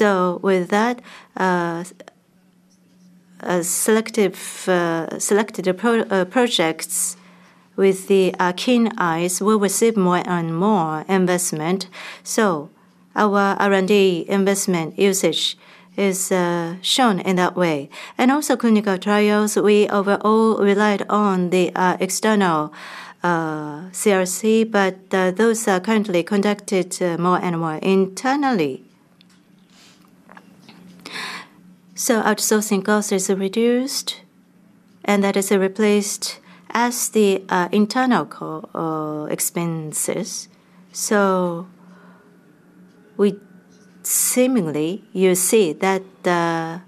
With that, selected projects with the keen eyes will receive more and more investment. Our R&D investment usage is shown in that way. Also, clinical trials overall relied on the external CRC, but those are currently conducted more and more internally. Outsourcing cost is reduced and that is replaced as the internal expenses. Seemingly, you see that the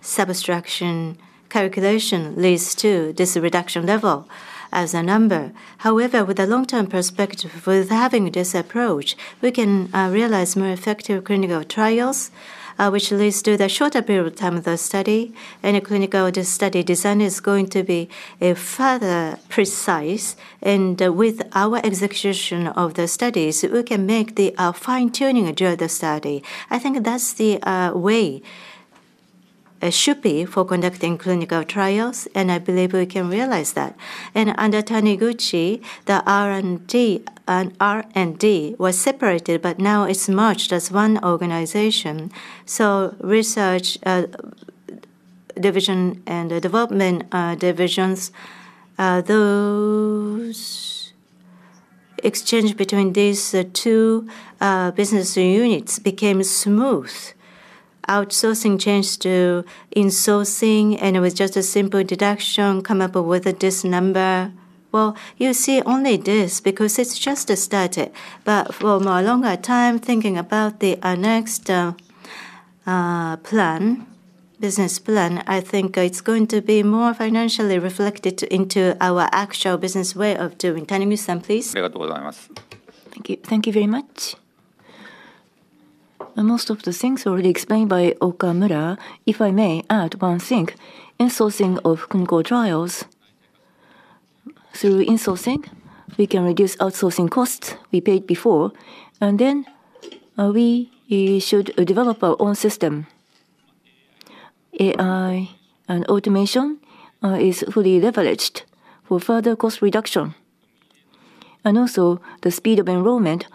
subtraction calculation leads to this reduction level as a number. However, with a long-term perspective, having this approach, we can realize more effective clinical trials, which leads to the shorter period of time of the study. A clinical study design is going to be further precise. With our execution of the studies, we can make the fine tuning during the study. I think that's the way it should be for conducting clinical trials. I believe we can realize that. Under Taniguchi, the R&D and R&D were separated, but now it's merged as one organization. Research division and development divisions, those exchange between these two business units became smooth. Outsourcing changed to insourcing. It was just a simple deduction. Come up with this number. You see only this because it's just started, but for a longer time thinking about the next plan, business plan, I think it's going to be more financially reflected into our actual business way of doing. Can you miss them, please? Thank you. Thank you very much. Most of the things already explained by Okamura. If I may add one thing, insourcing of clinical trials. Through insourcing we can reduce outsourcing costs. We paid before and then we should develop our own system. AI and automation is fully leveraged for further cost reduction. Also, the speed of enrollment.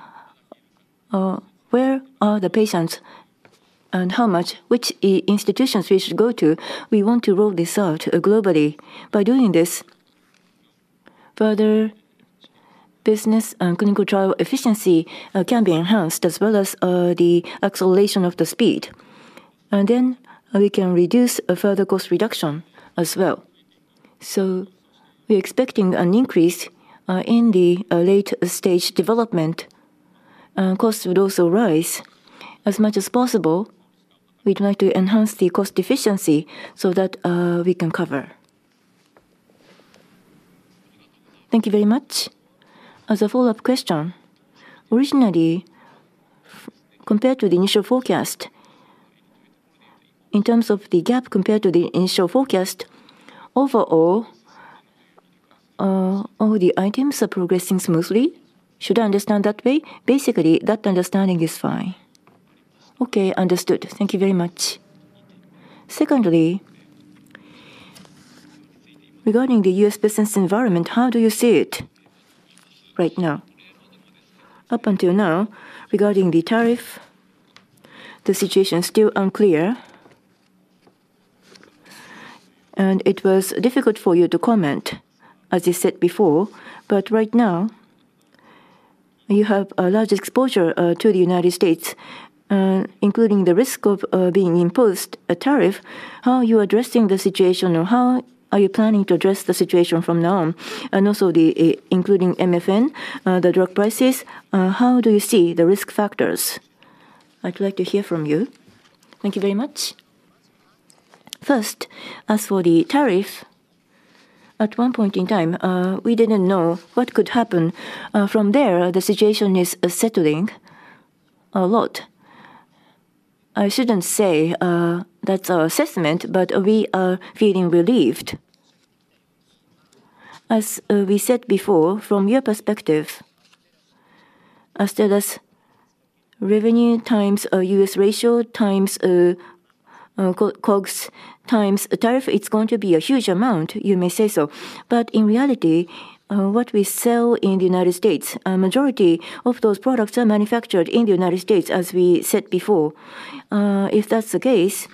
Where are the patients and how much, which institutions we should go to. We want to roll this out globally. By doing this, further business and clinical trial efficiency can be enhanced as well as the acceleration of the speed. We can reduce a further cost reduction as well. We're expecting an increase in the late stage development costs would also rise. As much as possible, we'd like to enhance the cost efficiency so that we can cover. Thank you very much. As a follow up question, originally, compared to the initial forecast, in terms of the gap compared to the initial forecast. Overall, all the items are progressing smoothly. Should I understand that way? Basically that understanding is fine. Okay, understood. Thank you very much. Secondly, regarding the U.S. business environment, how do you see it right now? Up until now, regarding the tariff, the situation is still unclear and it was difficult for you to comment. As I said before, right now you have a large exposure to the United States, including the risk of being imposed a tariff. How are you addressing the situation or how are you planning to address the situation from now? Also, including MFN, the drug prices, how do you see the risk factors? I'd like to hear from you. Thank you very much. First, as for the tariff, at one point in time, we didn't know what could happen. From there, the situation is settling a lot. I shouldn't say that's our assessment, but we are feeling relieved. As we said before, from your perspective as that as revenue times U.S. ratio, times COGS times tariff, it's going to be a huge amount. You may say so, but in reality, what we sell in the United States, majority of those products are manufactured in the United States. As we said before, if that's the case,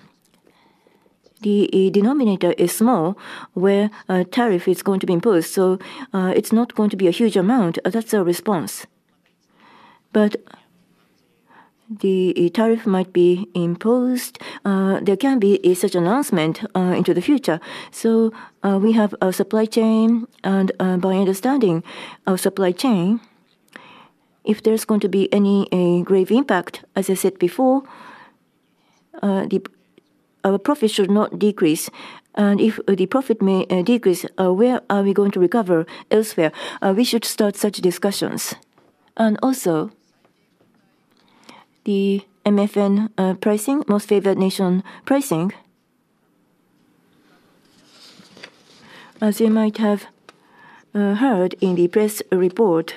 the denominator is small where tariff is going to be imposed. It's not going to be a huge amount. That's a response. The tariff might be imposed. There can be such announcement into the future. We have a supply chain. By understanding our supply chain, if there's going to be any grave impact, as I said before, our profit should not decrease. If the profit may decrease, where are we going to recover? Elsewhere, we should start such discussions. Also, the MFN pricing, most favored nation pricing. As you might have heard in the press report,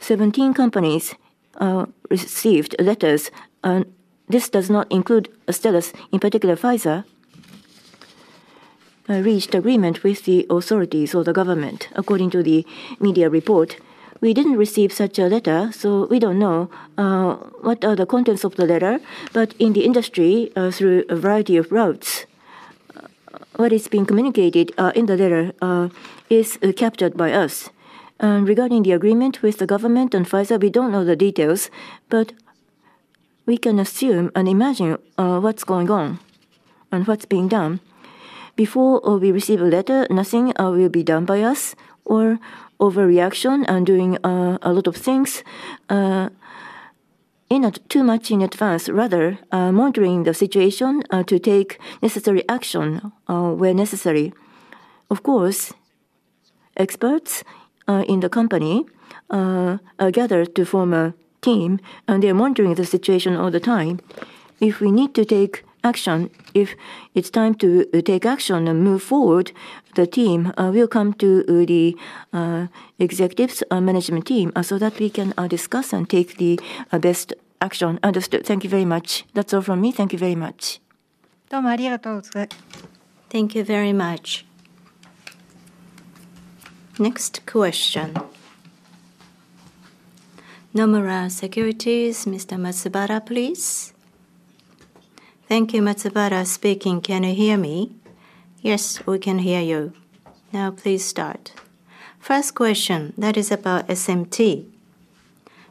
17 companies received letters. This does not include a status.In particular, Pfizer reached agreement with the authorities or the government. According to the media report, we didn't receive such a letter. We don't know what are the contents of the letter. In the industry through a variety of routes, what is being communicated in the letter is captured by us. Regarding the agreement with the government and Pfizer, we don't know the details, but we can assume and imagine what's going on and what's being done before we receive a letter. Nothing will be done by us or overreaction and doing a lot of things too much in advance. Rather, monitoring the situation to take necessary action where necessary. Of course, experts in the company gather to form a team and they are monitoring the situation all the time. If we need to take action, if it's time to take action and move forward, the team will come to the executives management team so that we can discuss and take the best action. Understood. Thank you very much. That's all from me. Thank you very much. Thank you very much. Next question, Nomura Securities. Mr. Matsubara, please. Thank you. Matsubara speaking. Can you hear me? Yes, we can hear you. Now, Please start. First question. That is about SMT.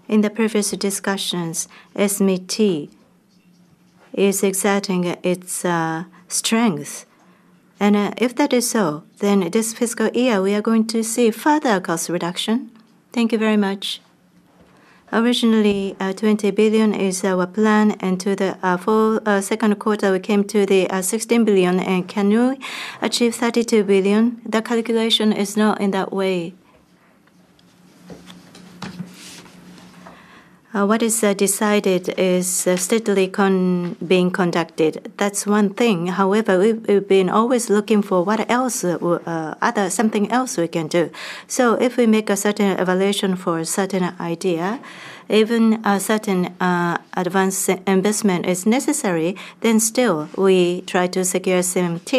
In the previous discussions, SMT is exerting its strength and if that is so, then this fiscal year we are going to see further cost reduction. Thank you very much. Originally, 20 billion is our plan and to the second quarter we came to the 16 billion and can you achieve 32 billion? The calculation is not in that way. What is decided is steadily being conducted, that's one thing. However, we've been always looking for what else, other, something else we can do. If we make a certain evaluation for a certain idea, even if a certain advanced investment is necessary, then still we try to secure commitment.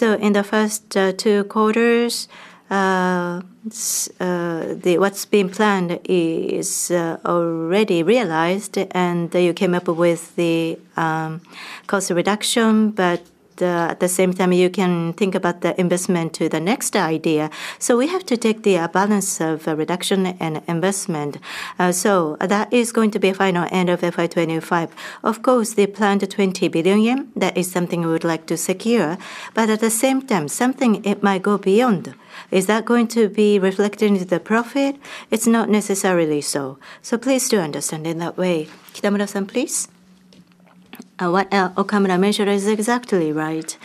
In the first two quarters, what's being planned is already realized and you came up with the cost reduction, but at the same time you can think about the investment to the next idea. We have to take the balance of reduction and investment, so that is going to be final end of FY 2025. Of course, the planned 20 billion yen, that is something we would like to secure, but at the same time, something it might go beyond. Is that going to be reflected into the profit? It's not necessarily so, so please do understand in that way. Kitamura-san, please. What Okamura mentioned is exactly right.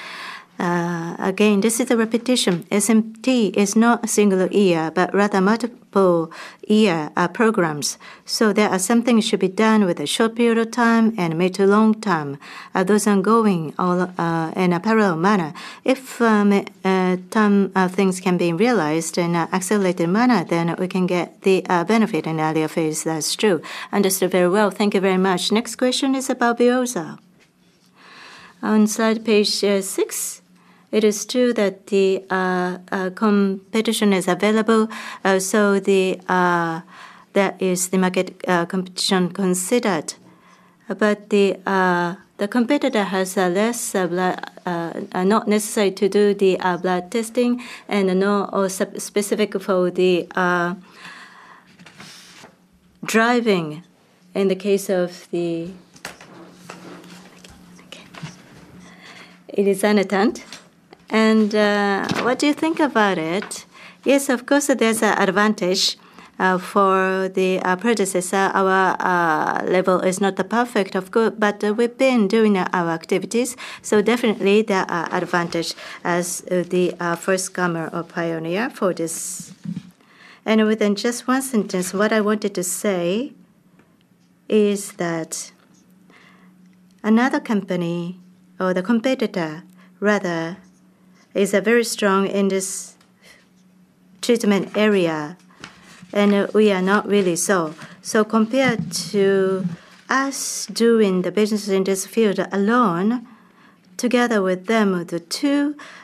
Again, this is the repetition. SMT is not a singular year but rather multiple, so there are some things should be done with a short period of time and mid to long term, those ongoing in a parallel manner. If time, things can be realized in an accelerated manner, then we can get the benefit in earlier phase, that's true. Understood very well. Thank you very much. Next question is about VEOZAH on slide page six. It is true that the competition is available, so that is the market competition considered, but the competitor has less, not necessary to do the blood testing and specific for the driving in the case of the design attendant, and what do you think about it? Yes, of course there's an advantage for the predecessor. Our level is not perfect, but we've been doing our activities, so definitely there are advantages as the first comer or pioneer for this. Within just one sentence, what I wanted to say is that another company or the competitor, rather, is very strong in this treatment area, and we are not really so. Compared to us doing the business in this field alone, together with them, the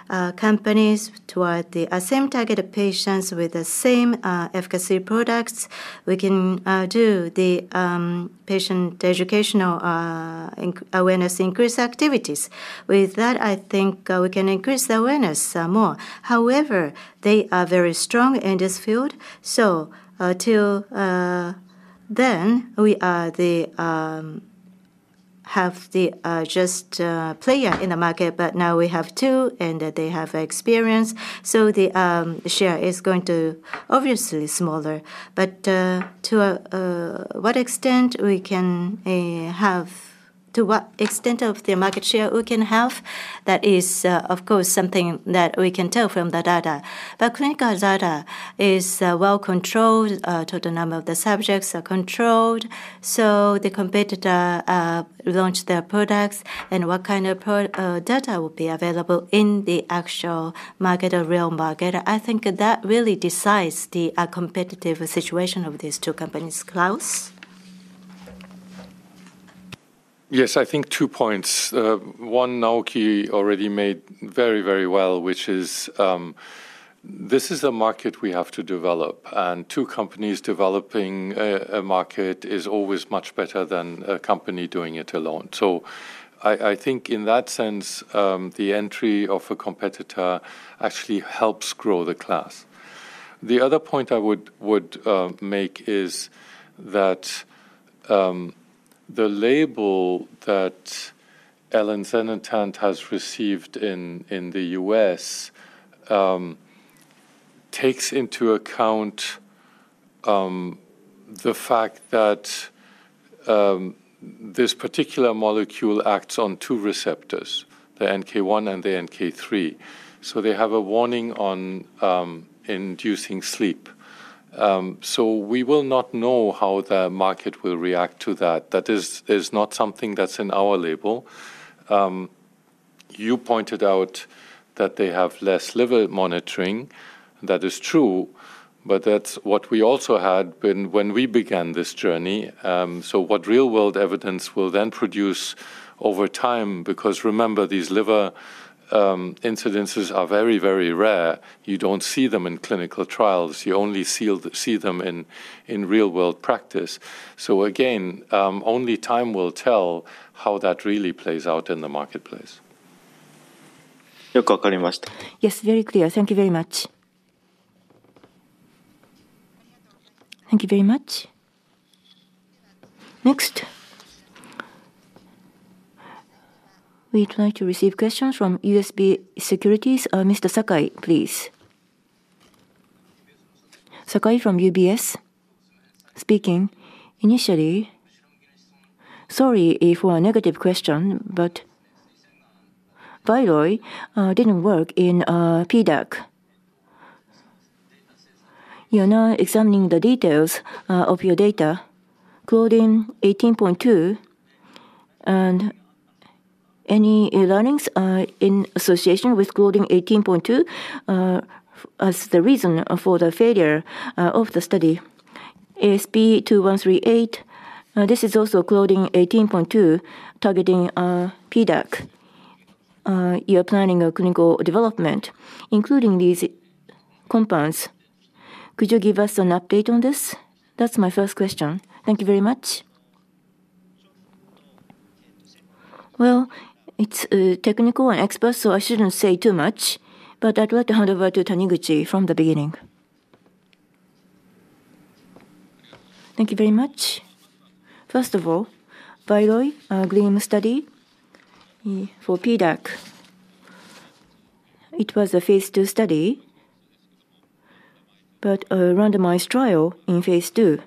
two companies toward the same targeted patients with the same efficacy products, we can do the patient educational awareness increase activities. With that, I think we can increase the awareness more. However, they are very strong in this field. Till then, we are the just player in the market, but now we have two, and they have experience, so the share is going to obviously be smaller. To what extent we can have, to what extent of the market share we can have, that is of course something that we can tell from the data. Clinical data is well controlled. Total number of the subjects are controlled. The competitor launches their products, and what kind of data will be available in the actual market or real market, I think that really determines, besides the competitive situation of these two companies. Claus? Yes, I think two points. One Naoki already made very, very well, which is this is a market we have to develop. Two companies developing a market is always much better than a company doing it alone. I think in that sense the entry of a competitor actually helps grow the class. The other point I would make is that the label that elinzanetant has received in the U.S. takes into account the fact that this particular molecule acts on two receptors, the NK1 and the NK3. They have a warning on inducing sleep. We will not know how the market will react to that. That is not something that's in our label. You pointed out that they have less liver monitoring. That is true, but that's what we also had when we began this journey. What real world evidence will then produce over time? Because remember, these liver incidences are very, very rare. You don't see them in clinical trials, you only see them in real world practice. Only time will tell how that really plays out in the marketplace. Yes, very clear. Thank you very much. Thank you very much. Next we'd like to receive questions from UBS Securities. Mr. Sakai, please. Sakai from UBS speaking. Initially, sorry if a negative question, but VYLOY didn't work in a PDEC. You are now examining the details of your data. CLOVER 18.2 and any learnings are in association with CLOVER 18.2 as the reason for the failure of the study. ASP2138. This is also CLOVER 18.2 targeting PDEC. You are planning a clinical development including these compounds. Could you give us an update on this? That's my first question. Thank you very much. It's technical and expert, so I shouldn't say too much. I'd like to hand over to Taniguchi from the beginning. Thank you very much. First of all, VYLOY GLEAM study for PDAC. It was a phase two study, but a randomized trial in phase two.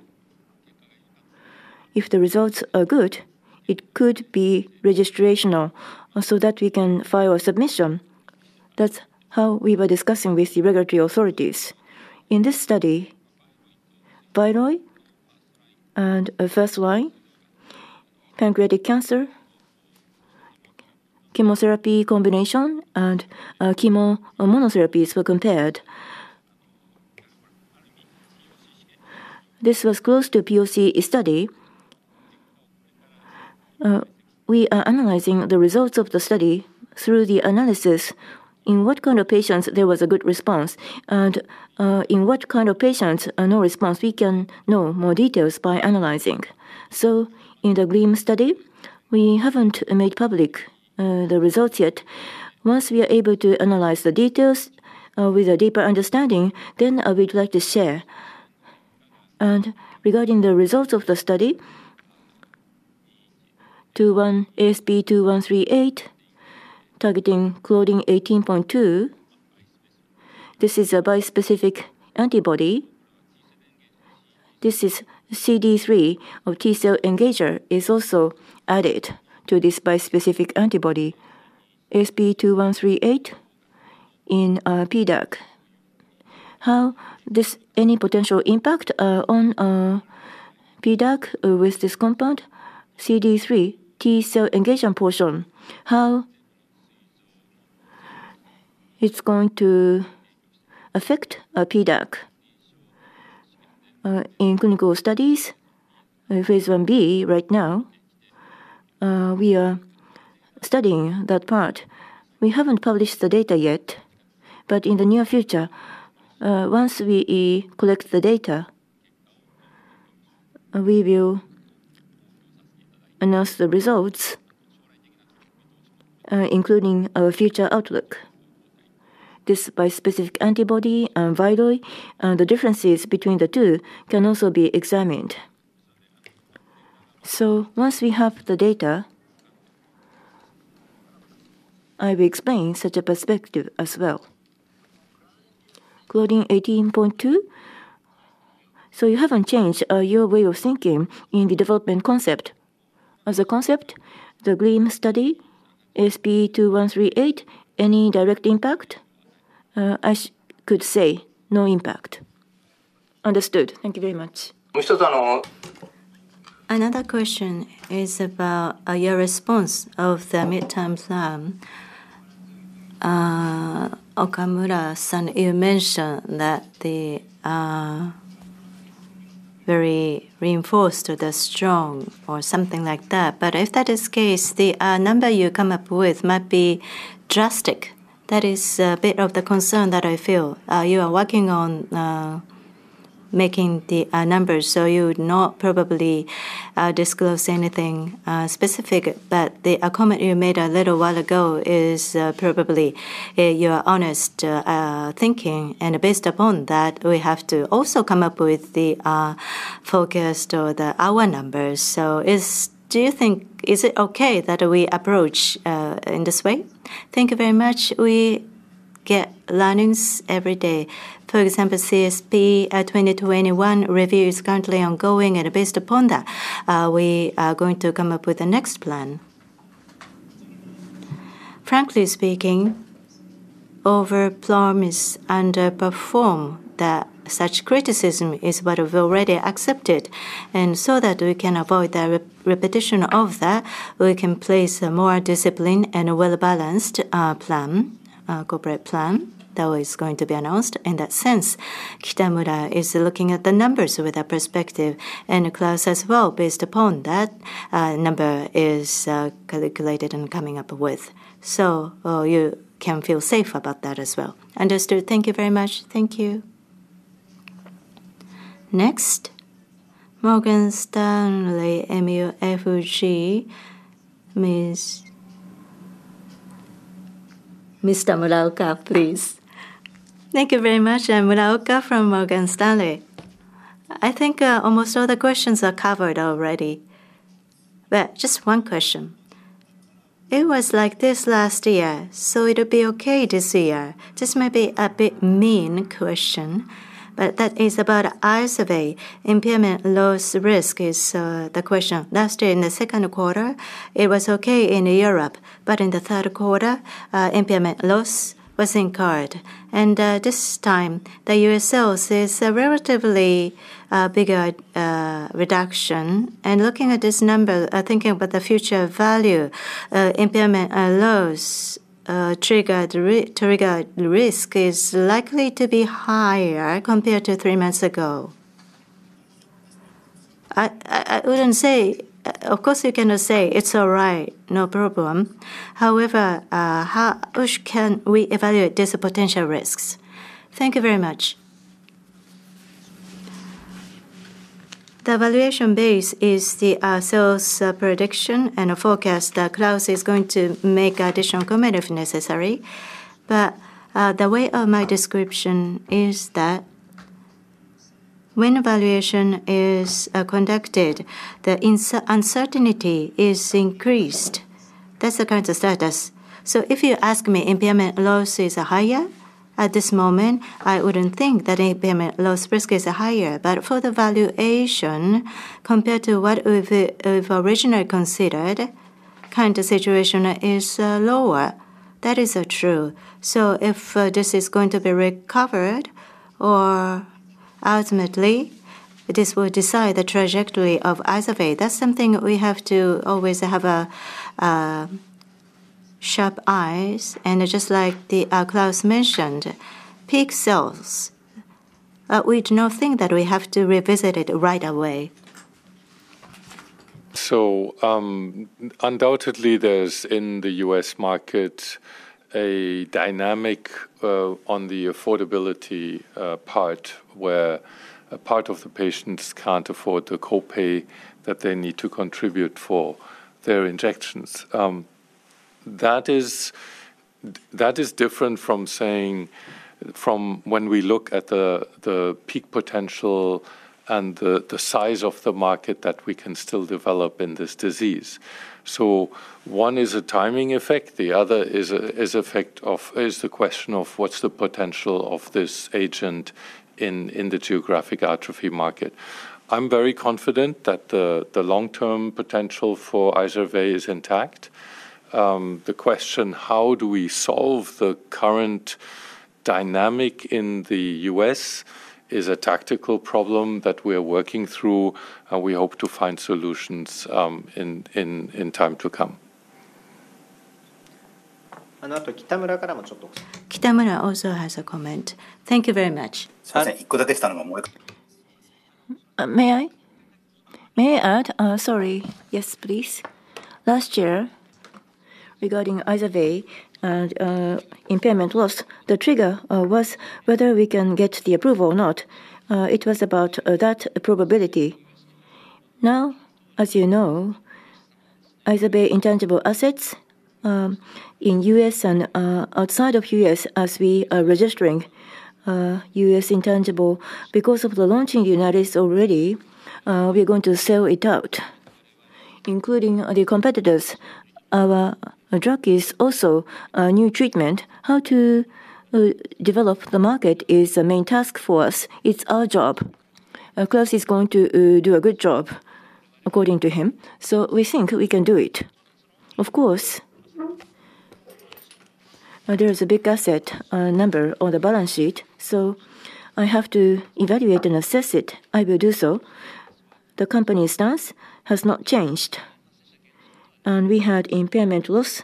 If the results are good, it could be registrational so that we can file a submission. That's how we were discussing with the regulatory authorities in this study. VYLOY and first line pancreatic cancer chemotherapy combination and chemo monotherapies were compared. This was close to POC study. We are analyzing the results of the study through the analysis in what kind of patients there was a good response and in what kind of patients no response. We can know more details by analyzing, so in the GLEAM study we haven't made public the results yet. Once we are able to analyze the details with a deeper understanding, then we'd like to share. Regarding the results of the study, ASP2138 targeting Claudin 18.2, this is a bispecific antibody. This is CD3 of T cell engager is also added to this bispecific antibody. ASP2138 in PDAC, how does any potential impact on PDAC with this compound CD3 T cell engagement portion. How it's going to affect a PDAC in clinical studies phase 1b. Right now we are studying that part. We haven't published the data yet, but in the near future once we collect the data. We will announce the results including our future outlook. This bispecific antibody and VYLOY, the differences between the two can also be examined. Once we have the data, I will explain such a perspective as well. Cloning 18.2, so you haven't changed your way of thinking in the development concept. As a concept, the GLEAM study, ASP2138, any direct impact? I could say no impact. Understood. Thank you very much. Another question is about your response of the mid-term plan. Okamura-san, you mentioned that the very reinforced the strong or something like that. If that is the case, the number you come up with might be drastic. That is a bit of the concern that I feel. You are working on making the numbers so you would not probably disclose anything specific, but the comment you made a little while ago is probably your honest thinking. Based upon that, we have to also come up with the focus or our numbers. Do you think is it okay that we approach in this way? Thank you very much. We get learnings every day. For example, CSP 2021 review is currently ongoing and based upon that we are going to come up with a next plan. Frankly speaking, overpromise, underperform, that such criticism is what we've already accepted, and so that we can avoid the repetition of that, we can place a more disciplined and well-balanced corporate plan that is going to be announced. In that sense, Kitamura is looking at the numbers with a perspective and Claus as well, being based upon that number is calculated and coming up with. You can feel safe about that as well. Understood. Thank you very much. Thank you. Next, Morgan Stanley. Mr. Fuji. Mr. Muraoka, please. Thank you very much. Muraoka from Morgan Stanley. I think almost all the questions are covered already, but just one question. It was like this last year, so it'll be okay this year. This might be a bit mean question, but that is about IZERVAY impairment loss risk is the question. Last year in the second quarter it was okay in Europe, but in the third quarter impairment loss was incurred, and this time the U.S. sales is a relatively bigger reduction. Looking at this number, thinking about the future value, impairment loss triggered risk is likely to be higher compared to three months ago. I wouldn't say. Of course, you cannot say. It's all right, no problem. However, how can we evaluate these potential risks? Thank you very much. The valuation base is the sales prediction and forecast that Claus is going to make additional comment if necessary. The way of my description is that when evaluation is conducted, the underlying uncertainty is increased. That's the kind of status. If you ask me, impairment loss is higher. At this moment, I wouldn't think that impairment loss risk is higher, but for the valuation compared to what we've originally considered, kind of situation is lower. That is true. If this is going to be recovered or ultimately this will decide the trajectory of IZERVAY, that's something we have to always have sharp eyes. Just like Claus mentioned, peak sales, we do not think that we have to revisit it right away. There is undoubtedly in the U.S. market a dynamic on the affordability part where a part of the patients can't afford the co-pay that they need to contribute for their injections. That is different from when we look at the peak potential and the size of the market that we can still develop in this disease. One is a timing effect, the other is effective. The question is what's the potential of this agent in the geographic atrophy market. I'm very confident that the long-term potential for IZERVAY is intact. The question of how we solve the current dynamic in the U.S. is a tactical problem that we are working through. We hope to find solutions in tactical to come. Kitamura also has a comment. Thank you very much. May I add? Sorry? Yes, please. Last year regarding IZERVAY and impairment loss, the trigger was whether we can get the approval or not. It was about that probability. Now, as you know, IZERVAY intangible assets in the U.S. and outside of the U.S., as we are registering U.S. intangible because of the launching in the United States already, we are going to sell it out, including the competitors. Our drug is also a new treatment. How to develop the market is the main task force. It's our job. Claus is going to do a good job according to him. We think we can do it. Of course, there is a big asset number on the balance sheet. I have to evaluate and assess it. I will do so. The company stance has not changed, and we had impairment loss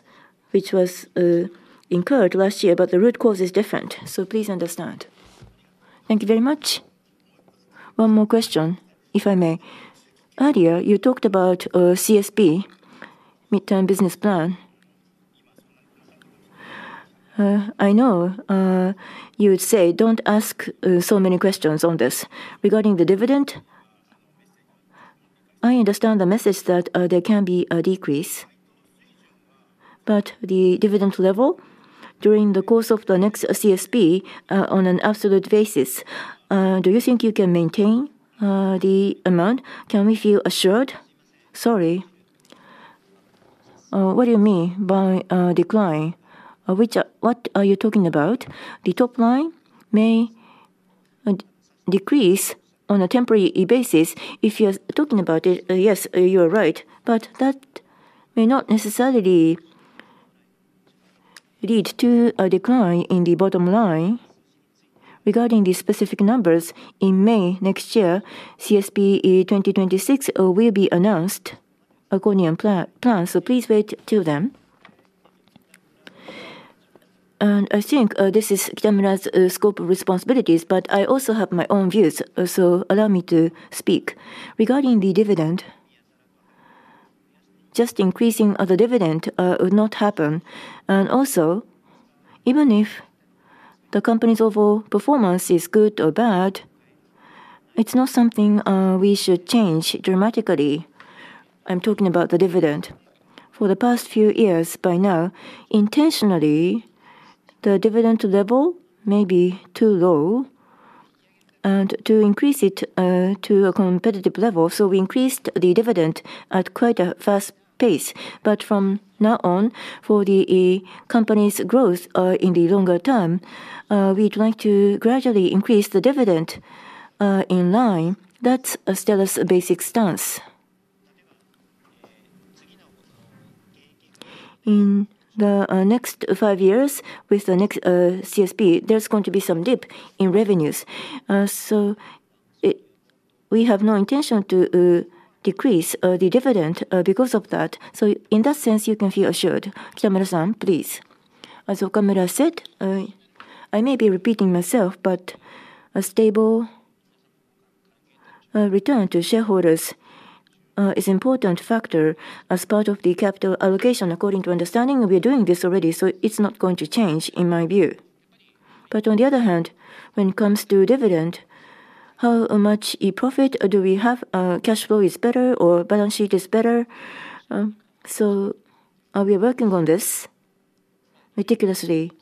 which was incurred last year, but the root cause is different. Please understand. Thank you very much. One more question if I may. Earlier you talked about CSP mid-term business plan. I know you would say don't ask so many questions on this. Regarding the dividend, I understand the message that there can be a decrease. The dividend level during the course of the next CSP on an absolute basis, do you think you can maintain the amount? Can we feel assured? Sorry, what do you mean by decline? Which, what are you talking about? The top line may decrease on a temporary basis. If you are talking about it, yes, you are right. That may not necessarily lead to a decline in the bottom line. Regarding the specific numbers, in May next year, CSP 2026 will be announced according to plan. Please wait till then. I think this is Tamra's scope of responsibilities, but I also have my own views, so allow me to speak. Regarding the dividend, just increasing the dividend would not happen. Also, even if the company's overall performance is good or bad, it's not something we should change dramatically. I'm talking about the dividend for the past few years. By now, intentionally the dividend level may be too low, and to increase it to a competitive level, we increased the dividend at quite a fast pace. From now on, for the company's growth in the longer term, we'd like to gradually increase the dividend in line. That's Astellas's basic stance. In the next five years, with the next CSP, there's going to be some dip in revenues. We have no intention to decrease the dividend because of that. In that sense, you can feel assured. Kitamura-san, please. As Okamura said, I may be repeating myself, but a stable return to shareholders is an important factor as part of the capital allocation. According to understanding, we are doing this already, so it's not going to change in my view. On the other hand, when it comes to dividend, how much profit do we have? Cash flow is better or balance sheet is better. Are we working on this meticulously?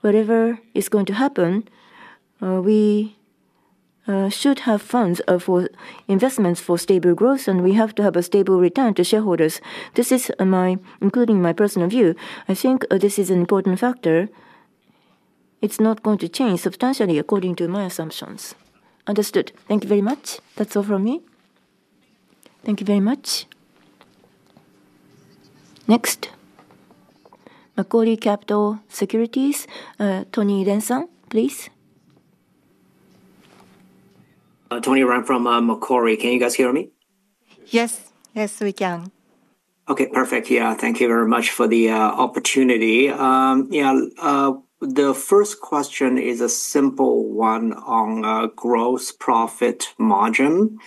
Whatever is going to happen, we should have funds for investments, for stable growth, and we have to have a stable return to shareholders. This is my, including my personal view. I think this is an important factor. It's not going to change substantially according to my assumptions. Understood. Thank you very much. That's all from me. Thank you very much. Next, Macquarie Capital Securities. Tony Renson, please. Tony Ren from Macquarie. Can you guys hear me? Yes, we can. Okay, perfect. Thank you very much for the opportunity. The first question is a simple one on gross profit margin.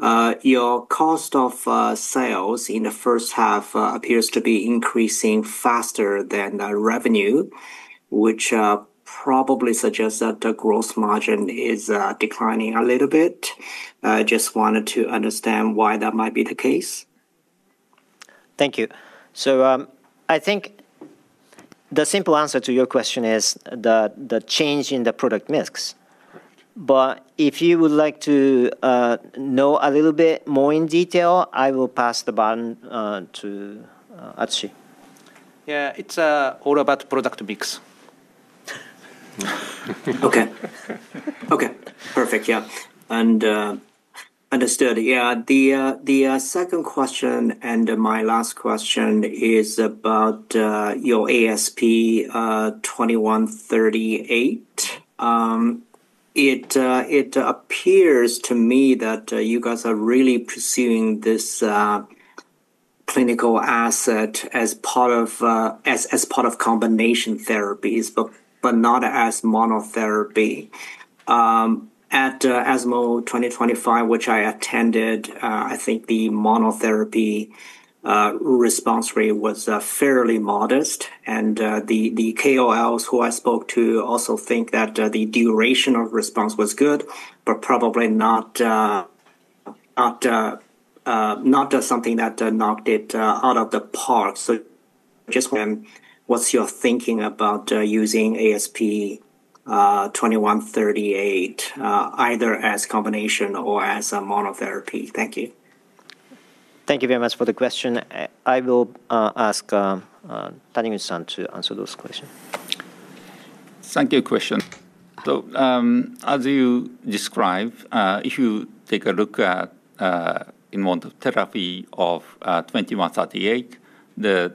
Your cost of sales in the first half appears to be increasing faster than revenue, which probably suggests that the gross margin is declining a little bit. I just wanted to understand why that might be the case. Thank you. I think the simple answer to your question is the change in the product mix. If you would like to know a little bit more in detail, I will pass the baton to Atsushi. Yeah, it's all about product mix. Okay. Okay, perfect. Understood. The second question and my last question is about your ASP2138. It appears to me that you guys are really pursuing this clinical asset as part of combination therapies, but not as monotherapy. At ASMO 2025, which I attended, I think the monotherapy response rate was fairly modest. The KOLs who I spoke to also think that the duration of response was good, but probably not something that knocked it out of the park. What's your thinking about using ASP2138 either as combination or as a monotherapy? Thank you. Thank you very much for the question. I will ask Taniguchi-san to answer those questions. Thank you. Question. As you describe, if you take a look at therapy of ASP2138, the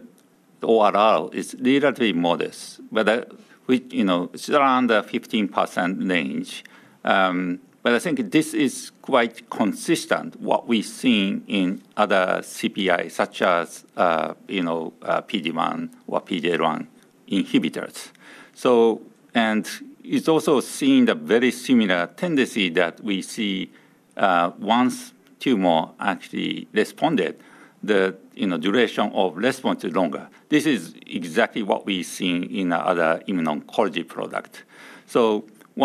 ORR is relatively modest. It's around the 15% range. I think this is quite consistent with what we see in other CPI such as PD1 or PD-L1 inhibitors. It's also seen a very similar tendency that we see once tumor actually responded, the duration of response is longer. This is exactly what we see in other immuno-oncology products.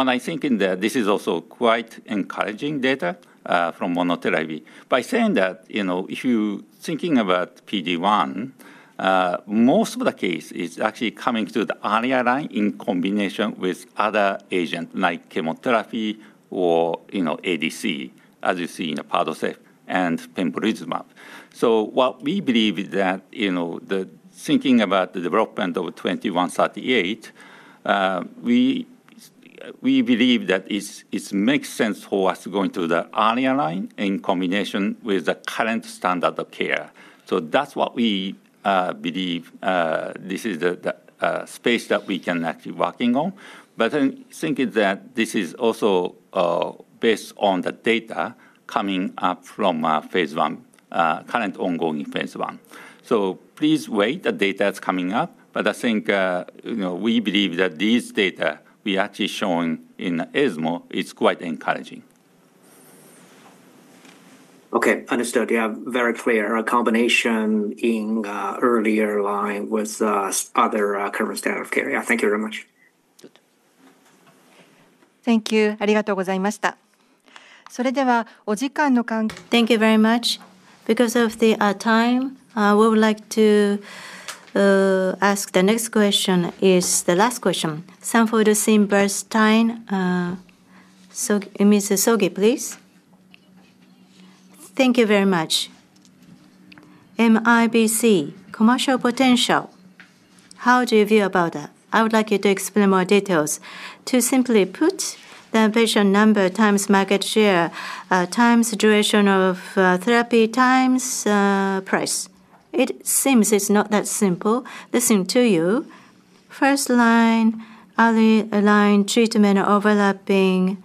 I think that this is also quite encouraging data from monotherapy by saying that if you're thinking about PD1, most of the cases are actually coming to the earlier line in combination with other agents like chemotherapy or ADC as you see in PADCEV and pembrolizumab. What we believe is that thinking about the development of ASP2138, we believe that it makes sense for us to go into the earlier line in combination with the current standard of care. That's what we believe. This is the space that we can actually work on. I think that this is also based on the data coming up from phase one, current ongoing phase one. Please wait. The data is coming up, but I think we believe that these data we are actually showing in ESMO is quite encouraging. Okay, understood. You have a very clear combination in earlier line with other current standard of care. Thank you very much. Thank you. Thank you very much. Because of the time, we would like to ask the next question as the last question. Sanford C. Bernstein, Mr. Sogi, please. Thank you very much. MIBC commercial potential. How do you feel about that? I would like you to explain more details. To simply put, the patient number times market share times duration of therapy times price. It seems it's not that simple. Listen to you, first line treatment overlapping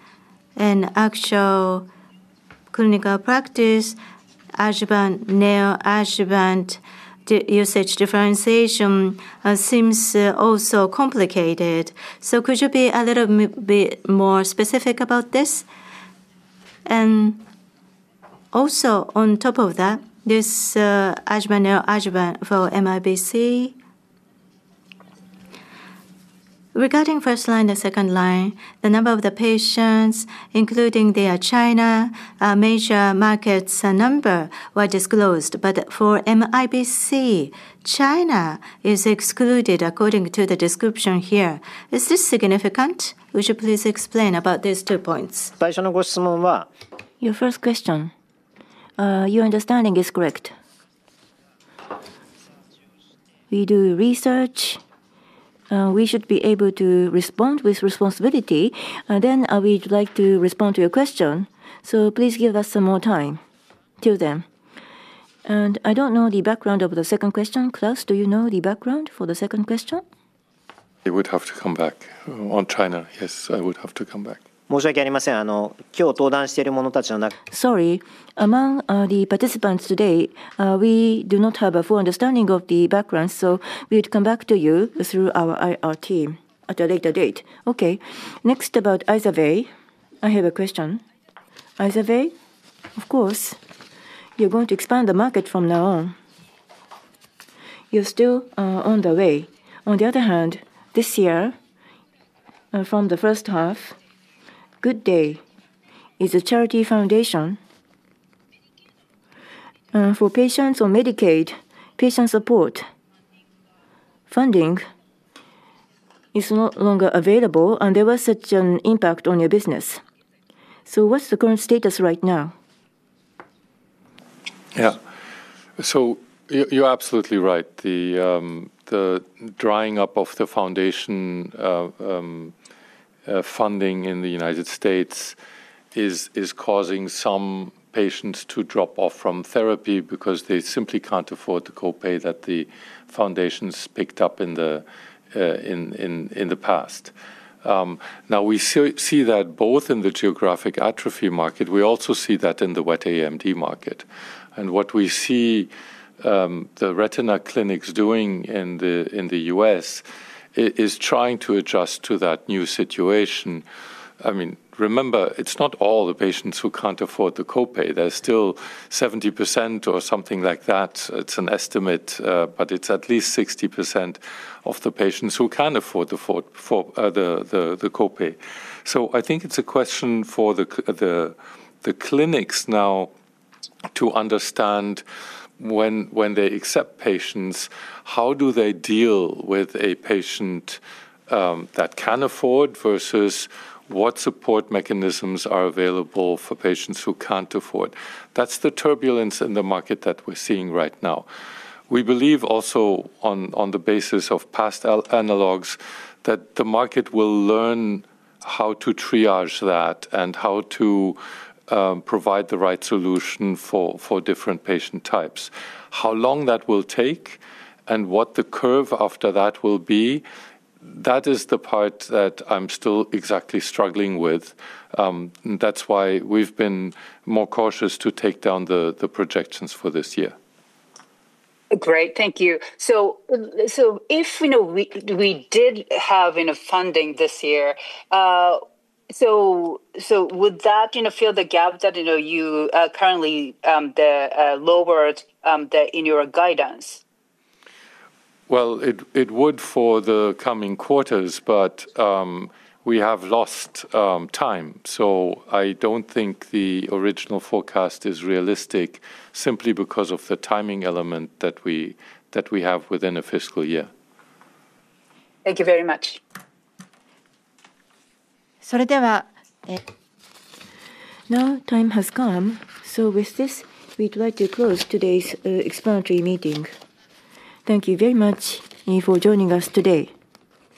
and actual clinical practice, adjuvant, neoadjuvant usage differentiation seems also complicated. Could you be a little bit more specific about this? Also, on top of that, this adjuvant, neoadjuvant for MIBC regarding first line and second line, the number of the patients including their China major markets number were disclosed. For MIBC, China is excluded according to the description here. Is this significant? Would you please explain about these two points? Your first question, your understanding is correct. We do research. We should be able to respond with responsibility. We would like to respond to your question. Please give us some more time till then. I don't know the background of the second question. Claus, do you know the background for the second question? He would have to come back on China. Yes, I would have to come back. Sorry. Among the participants today, we do not have a full understanding of the background. We would come back to you through our IR team at a later date. Okay, next, about IZERVAY. I have a question about IZERVAY. Of course, you're going to expand the market from now on. You're still on the way. On the other hand, this year from the first half, Good Day is a charity foundation for patients on Medicaid. Patient support funding is no longer available, and there was such an impact on your business. What's the current status right now? Yeah, you're absolutely right. The drying up of the foundation support in the United States is causing some patients to drop off from therapy because they simply can't afford the co-pay that the foundations picked up in the past. We see that both in the geographic atrophy market and in the wet amount. What we see the retina clinics doing in the U.S. is trying to adjust to that new situation. Remember, it's not all the patients who can't afford the co-pay. There's still 70% or something like that. It's an estimate, but it's at least 60% of the patients who can afford the co-pay. I think it's a question for the clinics now to understand when they accept patients, how do they deal with a patient that can afford versus what support mechanisms are available for patients who can't afford. That's the turbulence in the market that we're seeing right now. We believe also on the basis of past analogs that the market will learn how to triage that and how to provide the right solution for different patient types. How long that will take and what the curve after that will be, that is the part that I'm still exactly struggling with. That's why we've been more cautious to take down the projections for this year. Great. Thank you. If we did have enough funding this year, would that fill the gap that you currently lowered in your guidance? It would for the coming quarters, but we have lost time. I don't think the original forecast is realistic simply because of the timing element that we have within a fiscal year. Thank you very much. Now time has come. With this, we'd like to close today's explanatory meeting. Thank you very much for joining us today.